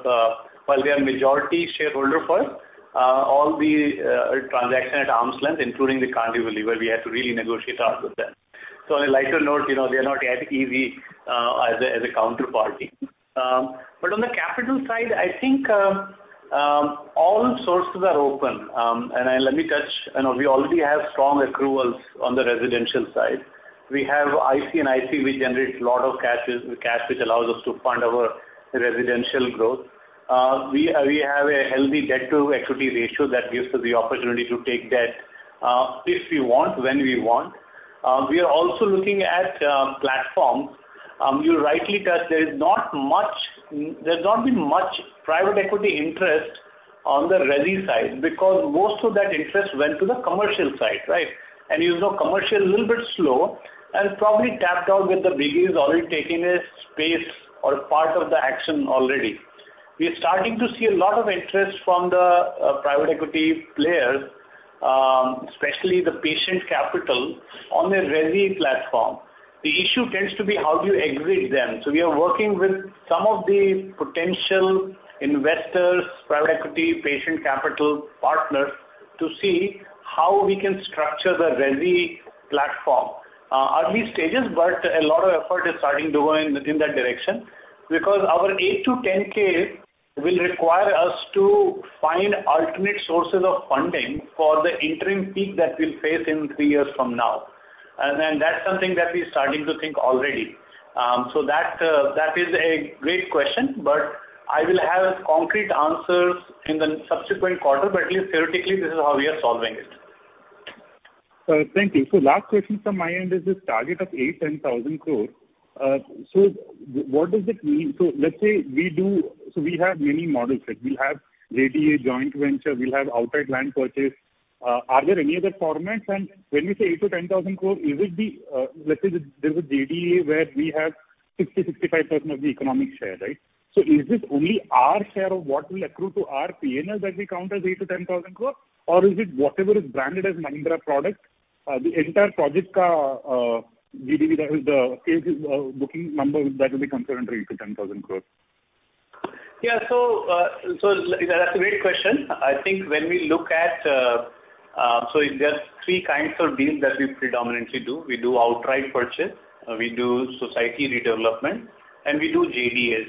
well, they are majority shareholder for us, all the transactions at arm's length, including the Kandivali where we had to really negotiate hard with them. So on a lighter note, you know, they are not as easy as a counterparty. But on the capital side, I think all sources are open. And let me touch, you know, we already have strong accruals on the residential side. We have IC & IC. We generate a lot of cash, cash which allows us to fund our residential growth. We have a healthy debt-to-equity ratio that gives us the opportunity to take debt, if we want, when we want. We are also looking at platforms. You rightly touched, there's not been much private equity interest on the Resi side because most of that interest went to the commercial side, right? And you know, commercial a little bit slow and probably tapped out with the biggies already taking a space or part of the action already. We're starting to see a lot of interest from the private equity players, especially the patient capital, on their Resi platform. The issue tends to be, how do you exit them? So we are working with some of the potential investors, private equity, patient capital partners to see how we can structure the Resi platform, early stages. But a lot of effort is starting to go in, in that direction because our 8,000-10,000 will require us to find alternate sources of funding for the interim peak that we'll face in three years from now. And, and that's something that we're starting to think already. So that, that is a great question. But I will have concrete answers in the subsequent quarter. But at least, theoretically, this is how we are solving it. Thank you. So last question from my end is this target of 8,000-10,000 crore. So what does it mean? So let's say we do so we have many models, right? We'll have JDA, joint venture. We'll have outright land purchase. Are there any other formats? And when we say 8,000-10,000 crore, is it the, let's say there's a JDA where we have 60%-65% of the economic share, right? So is this only our share of what will accrue to our P&L that we count as 8,000-10,000 crore? Or is it whatever is branded as Mahindra product, the entire project called GDV that is the scale, booking number that will be considered 8,000-10,000 crore? Yeah. So that's a great question. I think when we look at, so there are three kinds of deals that we predominantly do. We do outright purchase. We do society redevelopment. And we do JDAs.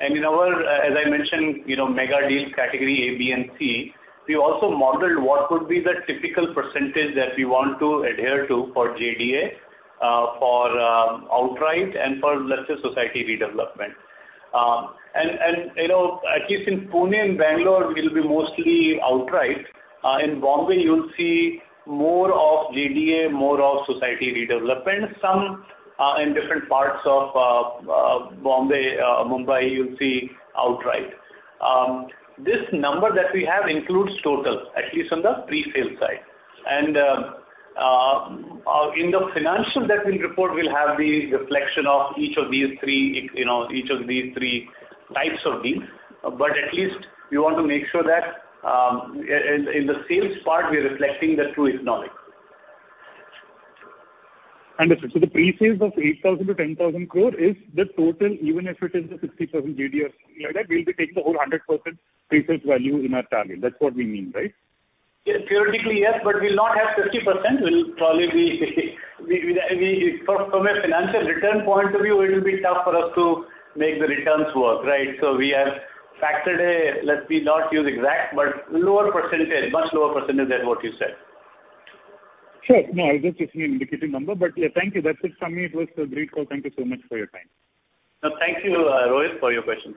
And in our, as I mentioned, you know, mega-deal category A, B, and C, we also modeled what would be the typical percentage that we want to adhere to for JDA, for outright and for, let's say, society redevelopment. And, you know, at least in Pune and Bangalore, it'll be mostly outright. In Bombay, you'll see more of JDA, more of society redevelopment, some in different parts of Bombay, Mumbai, you'll see outright. This number that we have includes total, at least on the pre-sale side. And in the financial that we'll report, we'll have the reflection of each of these three, you know, each of these three types of deals. At least, we want to make sure that, in the sales part, we're reflecting the true economics. Understood. So the pre-sales of 8,000-10,000 crore is the total, even if it is the 60% JDA like that, we'll be taking the whole 100% pre-sales value in our target. That's what we mean, right? Yeah. Theoretically, yes. But we'll not have 50%. We'll probably be from a financial return point of view, it'll be tough for us to make the returns work, right? So we have factored. Let's not use exact, but lower percentage, much lower percentage than what you said. Sure. Yeah. I guess it's an indicative number. But, yeah, thank you. That's it from me. It was a great call. Thank you so much for your time. No, thank you, Rohit, for your questions.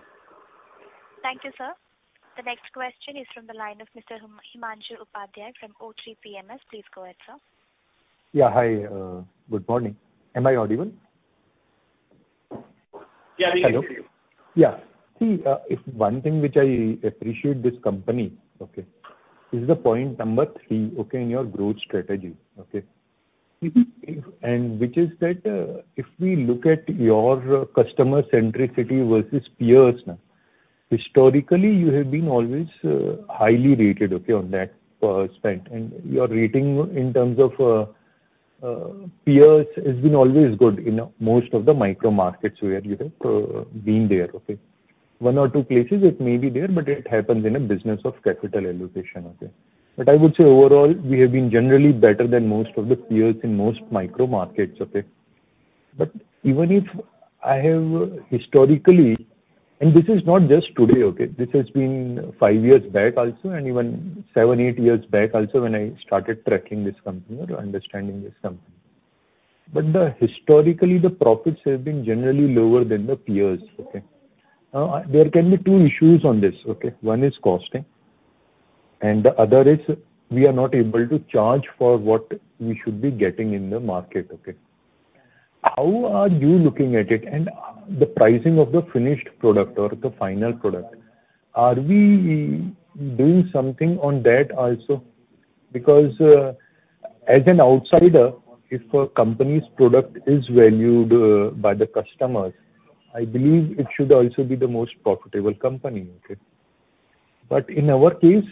Thank you, sir. The next question is from the line of Mr. Himanshu Upadhyay from O3 PMS. Please go ahead, sir. Yeah. Hi. Good morning. Am I audible? Yeah. We can hear you. Hello. Yeah. See, if one thing which I appreciate this company, okay, is the point number three, okay, in your growth strategy, okay. And which is that, if we look at your customer-centricity versus peers, now, historically, you have been always highly rated, okay, on that aspect. And your rating in terms of peers has been always good in most of the micro markets where you have been there, okay? 1 or 2 places, it may be there. But it happens in a business of capital allocation, okay? But I would say, overall, we have been generally better than most of the peers in most micro markets, okay? But even if I have historically and this is not just today, okay? This has been 5 years back also and even 7, 8 years back also when I started tracking this company or understanding this company. But the historically, the profits have been generally lower than the peers, okay? Now, there can be two issues on this, okay? One is costing. The other is, we are not able to charge for what we should be getting in the market, okay? How are you looking at it? The pricing of the finished product or the final product, are we doing something on that also? Because, as an outsider, if a company's product is valued by the customers, I believe it should also be the most profitable company, okay? But in our case,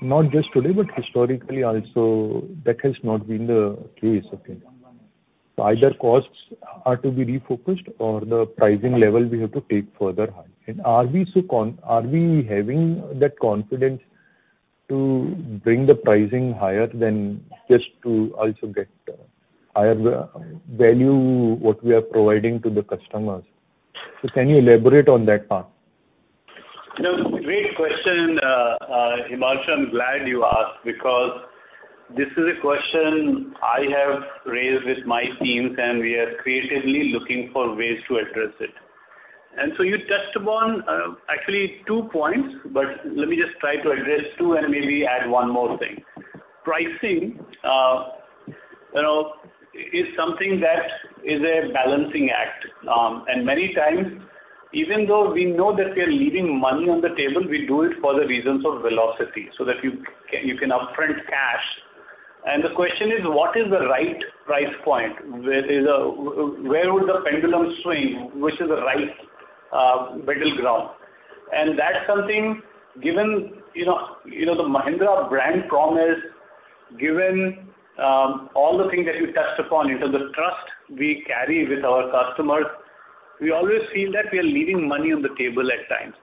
not just today but historically also, that has not been the case, okay? So either costs are to be refocused or the pricing level we have to take further high. Are we so confident? Are we having that confidence to bring the pricing higher to also get higher value what we are providing to the customers? Can you elaborate on that part? No, great question. Himanshu, I'm glad you asked because this is a question I have raised with my teams. And we are creatively looking for ways to address it. And so you touched upon, actually, two points. But let me just try to address two and maybe add one more thing. Pricing, you know, is something that is a balancing act. Many times, even though we know that we are leaving money on the table, we do it for the reasons of velocity so that you can upfront cash. And the question is, what is the right price point? Where would the pendulum swing? Which is the right battleground? That's something, given, you know, the Mahindra brand promise, given all the things that you touched upon in terms of trust we carry with our customers, we always feel that we are leaving money on the table at times.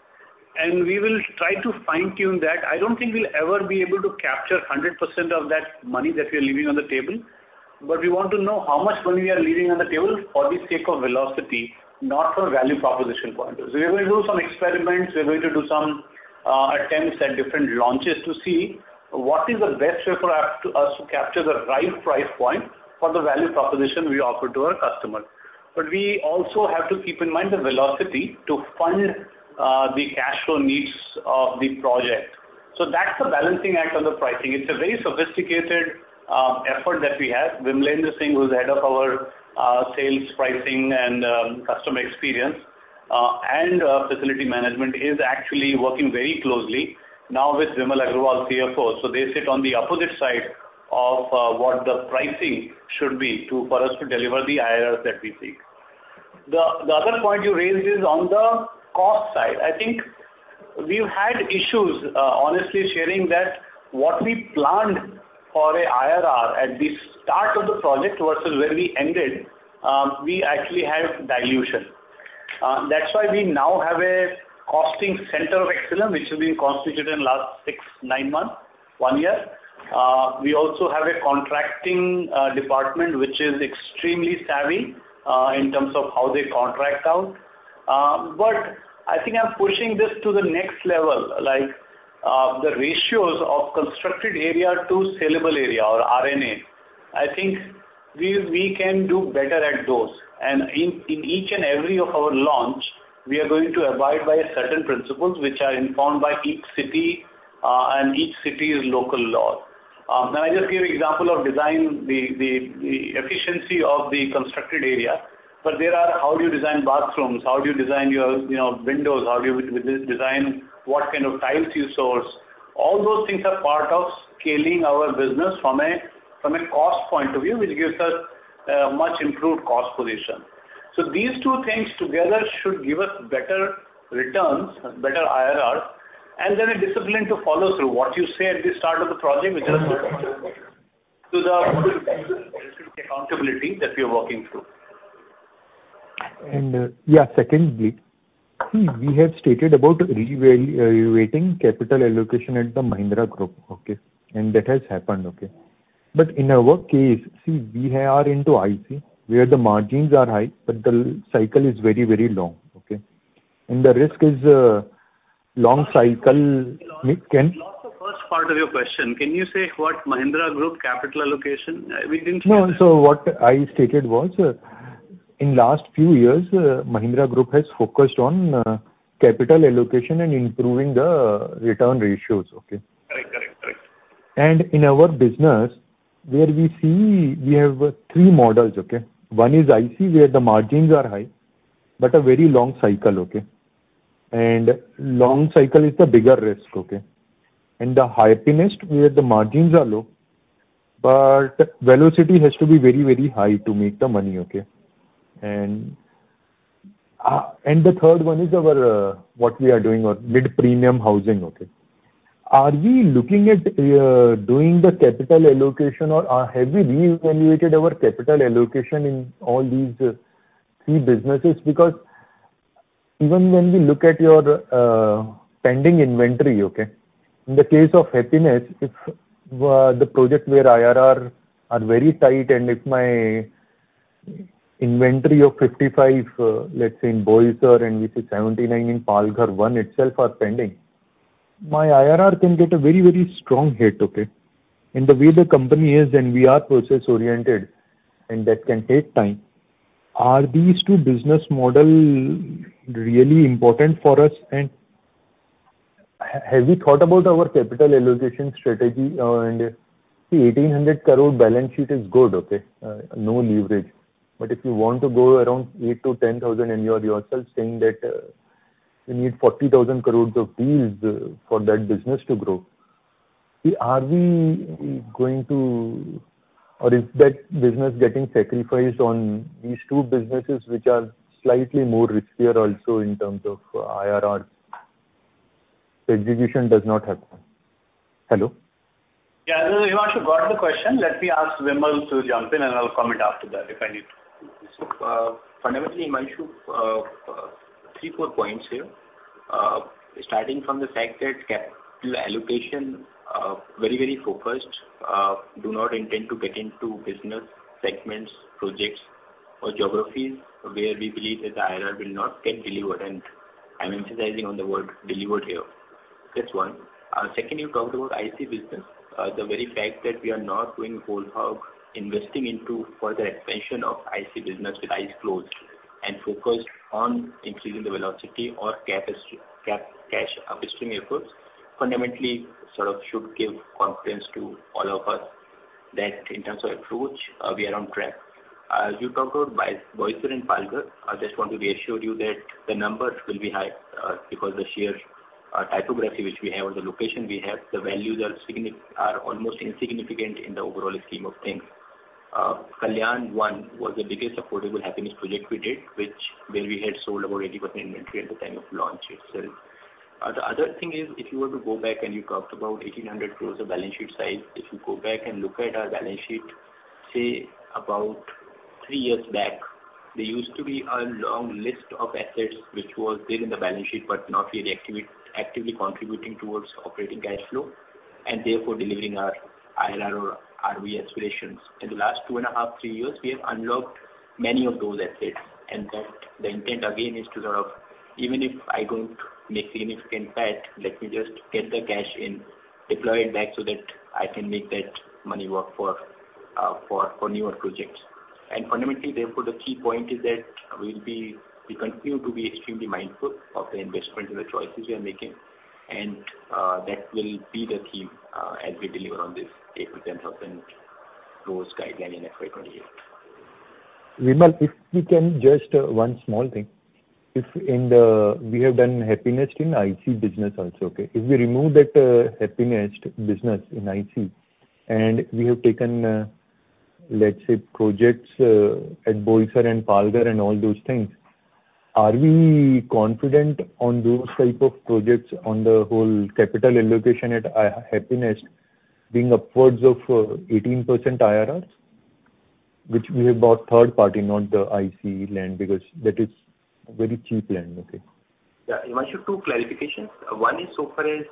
We will try to fine-tune that. I don't think we'll ever be able to capture 100% of that money that we are leaving on the table. But we want to know how much money we are leaving on the table for the sake of velocity, not for value proposition point of view. So we're going to do some experiments. We're going to do some attempts at different launches to see what is the best way for us to capture the right price point for the value proposition we offer to our customers. But we also have to keep in mind the velocity to fund, the cash flow needs of the project. So that's the balancing act on the pricing. It's a very sophisticated effort that we have. Vimalendra Singh, who's head of our sales, pricing, and customer experience and facility management, is actually working very closely now with Vimal Agarwal, CFO. So they sit on the opposite sides of what the pricing should be for us to deliver the IRRs that we seek. The other point you raised is on the cost side. I think we've had issues, honestly, sharing that what we planned for an IRR at the start of the project versus where we ended, we actually had dilution. That's why we now have a costing center of excellence, which has been constituted in the last 6-9 months, 1 year. We also have a contracting department, which is extremely savvy in terms of how they contract out. But I think I'm pushing this to the next level, like, the ratios of constructed area to saleable area or RERA. I think we can do better at those. And in each and every of our launch, we are going to abide by certain principles which are informed by each city, and each city's local law. And I just gave an example of design, the efficiency of the constructed area. But there are how do you design bathrooms? How do you design your, you know, windows? How do you with this design, what kind of tiles you source? All those things are part of scaling our business from a cost point of view, which gives us a much improved cost position. So these two things together should give us better returns, better IRRs, and then a discipline to follow through, what you say at the start of the project, which is to the accountability that we are working through. Yeah, secondly, see, we have stated about re-evaluating capital allocation at the Mahindra Group, okay? And that has happened, okay? But in our case, see, we are into IC. Where the margins are high, but the cycle is very, very long, okay? And the risk is, long cycle me can. Lost the first part of your question. Can you say what Mahindra Group capital allocation? We didn't hear that. No, so what I stated was, in the last few years, Mahindra Group has focused on, capital allocation and improving the return ratios, okay? Correct, correct, correct. And in our business, where we see we have three models, okay? One is IC, where the margins are high, but a very long cycle, okay? And long cycle is the bigger risk, okay? And the Happinest, where the margins are low, but velocity has to be very, very high to make the money, okay? And, and the third one is our, what we are doing or mid-premium housing, okay? Are we looking at, doing the capital allocation, or have we reevaluated our capital allocation in all these, three businesses? Because even when we look at your, pending inventory, okay, in the case of Happinest, if, the project where IRRs are very tight and if my inventory of 55, let's say, in Boisar and we see 79 in Palghar 1 itself are pending, my IRR can get a very, very strong hit, okay? In the way the company is and we are process-oriented, and that can take time, are these two business models really important for us? And have we thought about our capital allocation strategy? And see, 1,800 crore balance sheet is good, okay? No leverage. But if you want to go around 8,000 crore-10,000 crore and you are yourself saying that, you need 40,000 crore of deals, for that business to grow, see, are we going to or is that business getting sacrificed on these two businesses, which are slightly more riskier also in terms of IRRs? The execution does not happen. Hello? Yeah. No, no, Himanshu, got the question. Let me ask Vimal to jump in. And I'll comment after that if I need to. So, fundamentally, Himanshu, three, four points here, starting from the fact that capital allocation, very, very focused, do not intend to get into business segments, projects, or geographies where we believe that the IRR will not get delivered. And I'm emphasizing on the word delivered here. That's one. Second, you talked about IC business. The very fact that we are not doing whole hog investing into further expansion of IC business with eyes closed and focused on increasing the velocity or capex cash upstream efforts fundamentally sort of should give confidence to all of us that in terms of approach, we are on track. You talked about Boisar and Palghar. I just want to reassure you that the numbers will be high, because the sheer topography, which we have, or the location we have, the values are signi— are almost insignificant in the overall scheme of things. Kalyan 1 was the biggest affordable Happinest project we did, where we had sold about 80% inventory at the time of launch itself. The other thing is, if you were to go back and you talked about 1,800 crores of balance sheet size, if you go back and look at our balance sheet, say, about three years back, there used to be a long list of assets, which was there in the balance sheet but not really actively contributing towards operating cash flow and therefore delivering our IRR or ROE aspirations. In the last two and a half, three years, we have unlocked many of those assets. And that the intent, again, is to sort of even if I don't make significant cut, let me just get the cash in, deploy it back so that I can make that money work for, for, for newer projects. And fundamentally, therefore, the key point is that we'll be we continue to be extremely mindful of the investment and the choices we are making. That will be the theme, as we deliver on this 8,000 crore-10,000 crore guideline in FY28. Vimal, if we can just, one small thing. If in the we have done Happinest in IC business also, okay? If we remove that, Happinest business in IC and we have taken, let's say, projects, at Boisar and Palghar and all those things, are we confident on those type of projects on the whole capital allocation at high Happinest being upwards of 18% IRRs, which we have bought third-party, not the IC land because that is very cheap land, okay? Yeah. Himanshu, two clarifications. One is so far as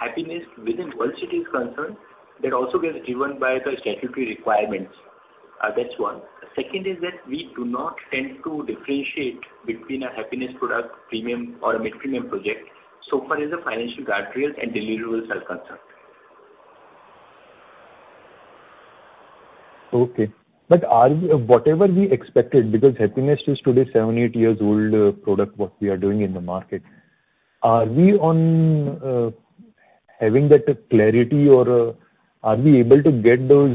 Happinest within both cities concerned, that also gets driven by the statutory requirements. That's one. Second is that we do not tend to differentiate between a Happinest product premium or a mid-premium project so far as the financial guardrails and deliverables are concerned. Okay. But are we whatever we expected because Happinest is today 7-8 years old product what we are doing in the market, are we on, having that clarity or, are we able to get those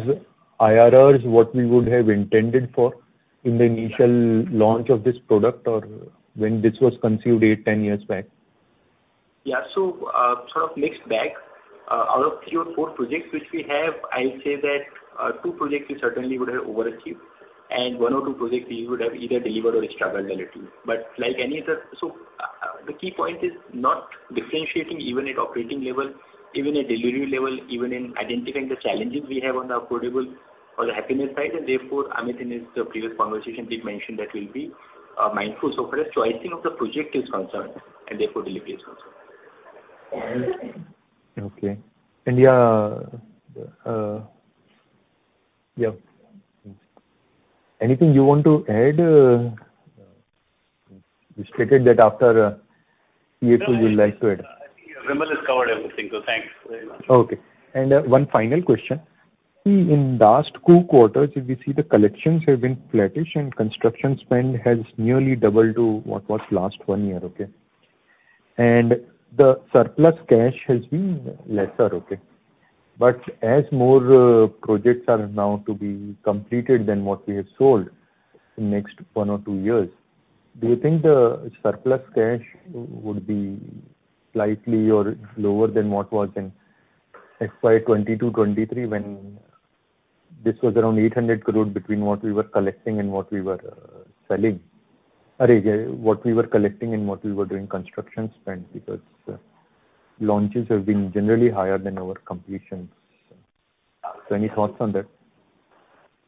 IRRs what we would have intended for in the initial launch of this product or when this was conceived 8-10 years back? Yeah. So, sort of mixed bag. Out of three or four projects, which we have, I'll say that, two projects we certainly would have overachieved. One or two projects, we would have either delivered or struggled a little. But like any other, so the key point is not differentiating even at operating level, even at delivery level, even in identifying the challenges we have on the affordable or the Happinest side. Therefore, Amit in his previous conversation did mention that we'll be mindful so far as choosing of the project is concerned and therefore delivery is concerned. Okay. And yeah, yeah. Anything you want to add? You stated that after CFO, you'd like to add. Vimal has covered everything. Thanks very much. Okay. And one final question. See, in the last two quarters, if we see the collections have been flattish, and construction spend has nearly doubled to what was last one year, okay? And the surplus cash has been lesser, okay? But as more projects are now to be completed than what we have sold in the next one or two years, do you think the surplus cash would be slightly or lower than what was in FY22/23 when this was around 800 crore between what we were collecting and what we were selling? I mean, what we were collecting and what we were doing construction spend because launches have been generally higher than our completions. So any thoughts on that?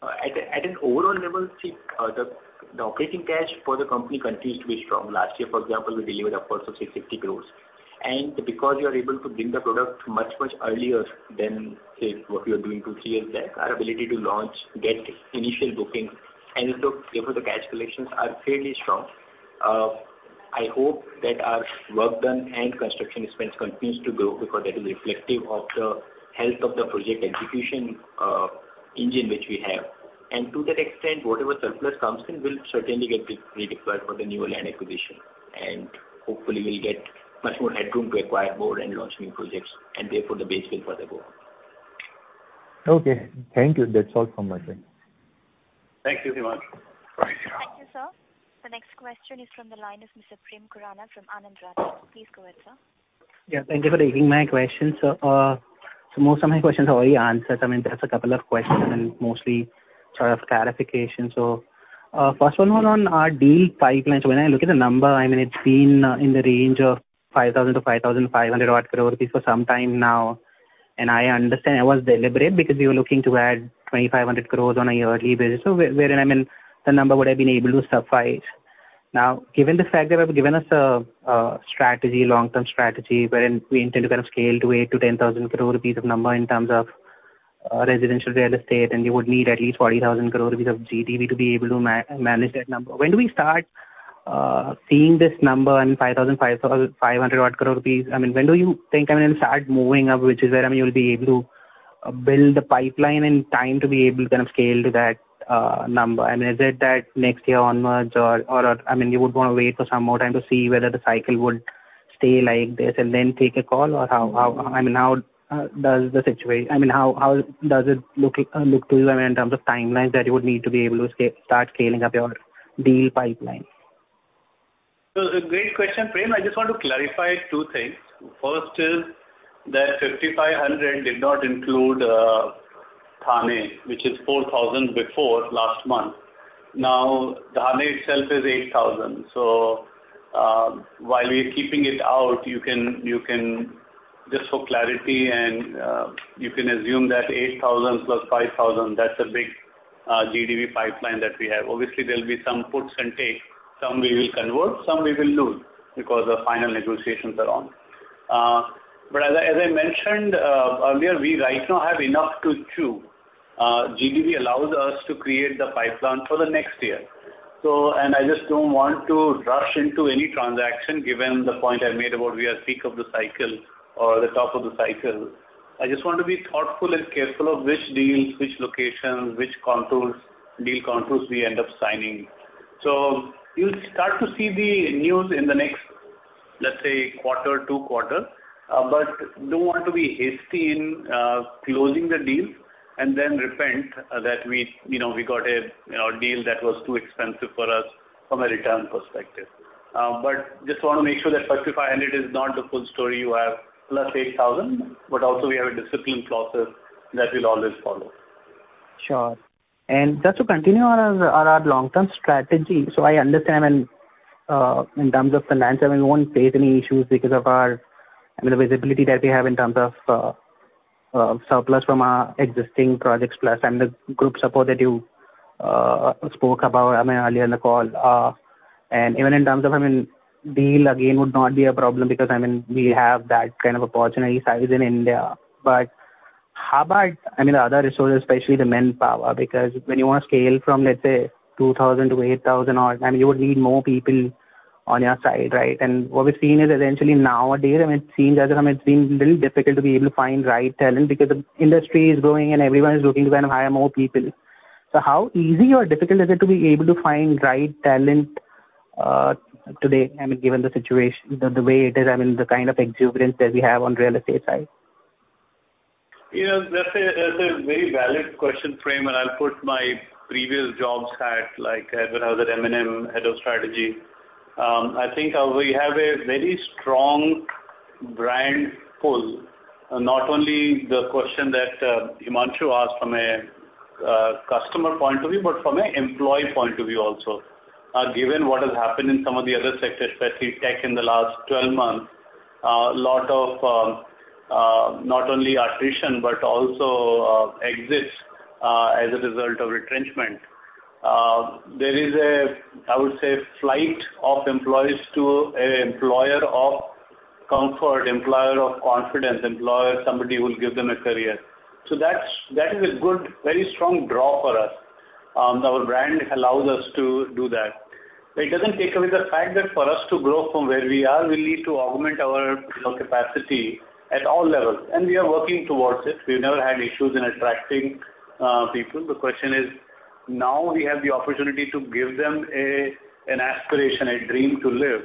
At an overall level, see, the operating cash for the company continues to be strong. Last year, for example, we delivered upwards of 650 crores. And because we are able to bring the product much, much earlier than, say, what we were doing two, three years back, our ability to launch, get initial bookings, and so therefore, the cash collections are fairly strong. I hope that our work done and construction expense continues to grow because that is reflective of the health of the project execution, engine, which we have. And to that extent, whatever surplus comes in will certainly get redeployed for the newer land acquisition. And hopefully, we'll get much more headroom to acquire more and launch new projects. And therefore, the base will further go up. Okay. Thank you. That's all from my side. Thank you very much. All right. Thank you, sir. The next question is from the line of Mr. Prem Khurana from Anand Rathi. Please go ahead, sir. Yeah. Thank you for taking my question. So, so most of my questions are already answered. I mean, there's a couple of questions and mostly sort of clarification. So, first one on, on our deal pipeline. So when I look at the number, I mean, it's been, in the range of 5,000-5,500 crore rupees for some time now. And I understand it was deliberate because we were looking to add 2,500 crores on a yearly basis. So where, wherein, I mean, the number would have been able to suffice. Now, given the fact that they've given us a, a strategy, long-term strategy, wherein we intend to kind of scale to 8,000-10,000 crore rupees of number in terms of, residential real estate, and you would need at least 40,000 crore rupees of GDV to be able to manage that number. When do we start seeing this number at 5,500 crore rupees? I mean, when do you think, I mean, it'll start moving up, which is where, I mean, you'll be able to build the pipeline and time to be able to kind of scale to that number? I mean, is it that next year onwards or, or, I mean, you would want to wait for some more time to see whether the cycle would stay like this and then take a call, or how, how I mean, how does the situation, I mean, how, how does it look to you, I mean, in terms of timelines that you would need to be able to scale start scaling up your deal pipeline? Great question, Prem. I just want to clarify two things. First is that 5,500 did not include Thane, which is 4,000 before last month. Now, Thane itself is 8,000. While we are keeping it out, you can, just for clarity, assume that 8,000 plus 5,000, that's a big GDV pipeline that we have. Obviously, there'll be some puts and takes. Some we will convert. Some we will lose because the final negotiations are on. As I mentioned earlier, we right now have enough to chew. GDV allows us to create the pipeline for the next year. I just don't want to rush into any transaction given the point I made about we are at the peak of the cycle or the top of the cycle. I just want to be thoughtful and careful of which deals, which locations, which contracts, deal contracts we end up signing. So you'll start to see the news in the next, let's say, quarter, two quarters. But don't want to be hasty in closing the deals and then repent that we, you know, we got a, you know, deal that was too expensive for us from a return perspective. But just want to make sure that 5,500 is not the full story you have plus 8,000, but also we have a discipline process that we'll always follow. Sure. And just to continue on our, our long-term strategy, so I understand, I mean, in terms of finance, I mean, we won't face any issues because of our I mean, the visibility that we have in terms of, surplus from our existing projects plus I mean, the group support that you, spoke about, I mean, earlier in the call. And even in terms of, I mean, deal, again, would not be a problem because, I mean, we have that kind of opportunity size in India. But how about, I mean, the other resources, especially the manpower? Because when you want to scale from, let's say, 2,000 to 8,000 or I mean, you would need more people on your side, right? What we've seen is essentially nowadays, I mean, it seems as though, I mean, it's been a little difficult to be able to find right talent because the industry is growing, and everyone is looking to kind of hire more people. So how easy or difficult is it to be able to find right talent, today, I mean, given the situation the way it is, I mean, the kind of exuberance that we have on the real estate side? Yeah. That's a that's a very valid question, Prem. And I'll put my previous jobs hat, like at the House of, M&M, head of strategy. I think, however, we have a very strong brand pull, not only the question that, Himanshu asked from a, customer point of view but from an employee point of view also. Given what has happened in some of the other sectors, especially tech in the last 12 months, a lot of, not only attrition but also, exits, as a result of retrenchment. There is a, I would say, flight of employees to a employer of comfort, employer of confidence, employer somebody who will give them a career. So that's that is a good very strong draw for us. Our brand allows us to do that. It doesn't take away the fact that for us to grow from where we are, we'll need to augment our, you know, capacity at all levels. We are working towards it. We've never had issues in attracting, people. The question is, now we have the opportunity to give them an aspiration, a dream to live.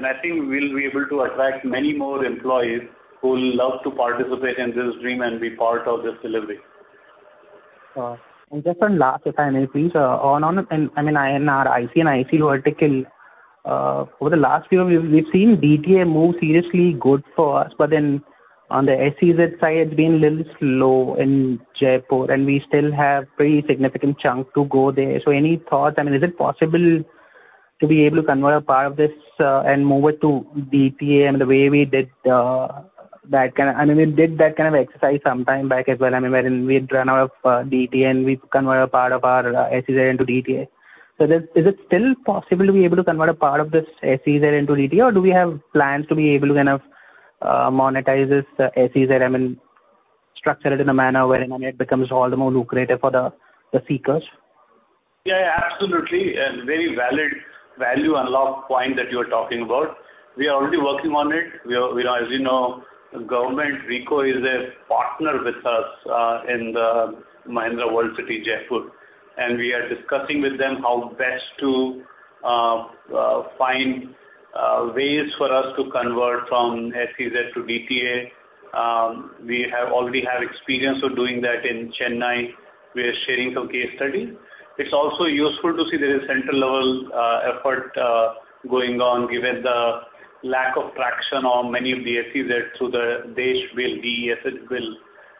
I think we'll be able to attract many more employees who'll love to participate in this dream and be part of this delivery. Sure. And just one last, if I may, please, on our IC & IC vertical, over the last few years, we've seen DTA move seriously good for us. But then on the SEZ side, it's been a little slow in Jaipur. And we still have a pretty significant chunk to go there. So any thoughts? I mean, is it possible to be able to convert a part of this, and move it to DTA? I mean, the way we did that kind of—I mean, we did that kind of exercise some time back as well, I mean, wherein we had run out of DTA, and we've converted a part of our SEZ into DTA. So is it still possible to be able to convert a part of this SEZ into DTA? Or do we have plans to be able to kind of monetize this SEZ? I mean, structure it in a manner wherein, I mean, it becomes all the more lucrative for the seekers? Yeah, yeah. Absolutely. And very valid value unlock point that you are talking about. We are already working on it. We are, you know, as you know, government, RIICO is a partner with us in the Mahindra World City, Jaipur. And we are discussing with them how best to find ways for us to convert from SEZ to DTA. We already have experience of doing that in Chennai. We are sharing some case studies. It's also useful to see there is a central-level effort going on given the lack of traction on many of the SEZ through the DESH Bill,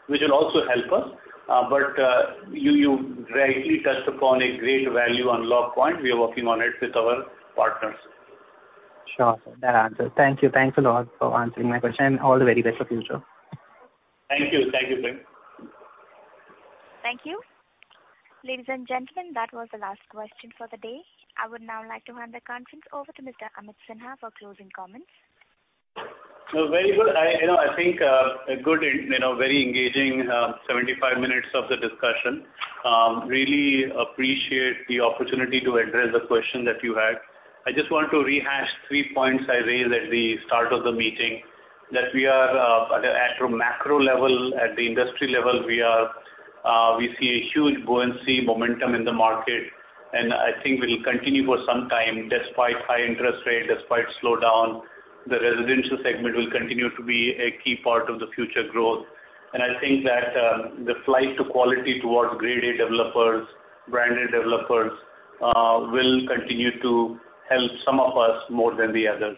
which will also help us. But you rightly touched upon a great value unlock point. We are working on it with our partners. Sure. That answers. Thank you. Thanks a lot for answering my question. All the very best for future. Thank you. Thank you, Prem. Thank you. Ladies and gentlemen, that was the last question for the day. I would now like to hand the conference over to Mr. Amit Sinha for closing comments. Very good. You know, I think a good, you know, very engaging 75 minutes of the discussion. I really appreciate the opportunity to address the question that you had. I just want to rehash three points I raised at the start of the meeting, that we are, at a macro level, at the industry level, we see a huge buoyancy, momentum in the market. And I think we'll continue for some time despite high interest rate, despite slowdown. The residential segment will continue to be a key part of the future growth. And I think that the flight to quality towards grade A developers, branded developers, will continue to help some of us more than the others.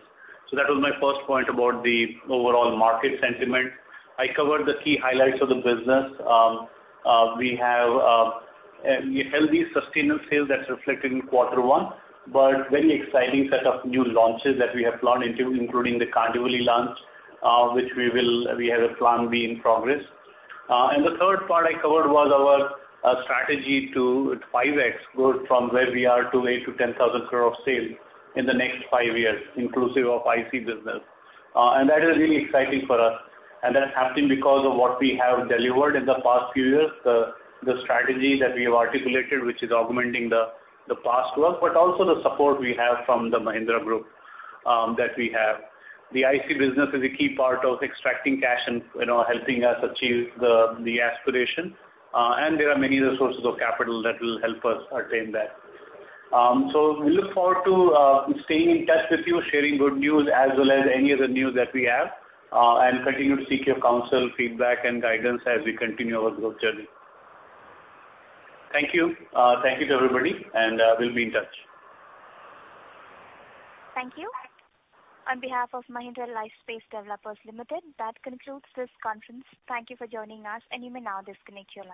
So that was my first point about the overall market sentiment. I covered the key highlights of the business. We have a healthy sustained sales that's reflected in quarter one, but very exciting set of new launches that we have planned including the Kandivali launch, which we will we have a plan B in progress. And the third part I covered was our strategy to 5x growth from where we are to 8,000-10,000 crore of sales in the next five years inclusive of IC business. And that is really exciting for us. And that's happening because of what we have delivered in the past few years, the strategy that we have articulated, which is augmenting the past work but also the support we have from the Mahindra Group that we have. The IC business is a key part of extracting cash and, you know, helping us achieve the aspiration. And there are many resources of capital that will help us attain that. So we look forward to staying in touch with you, sharing good news as well as any other news that we have, and continue to seek your counsel, feedback, and guidance as we continue our growth journey. Thank you. Thank you to everybody. We'll be in touch. Thank you. On behalf of Mahindra Lifespace Developers Limited, that concludes this conference. Thank you for joining us. You may now disconnect your line.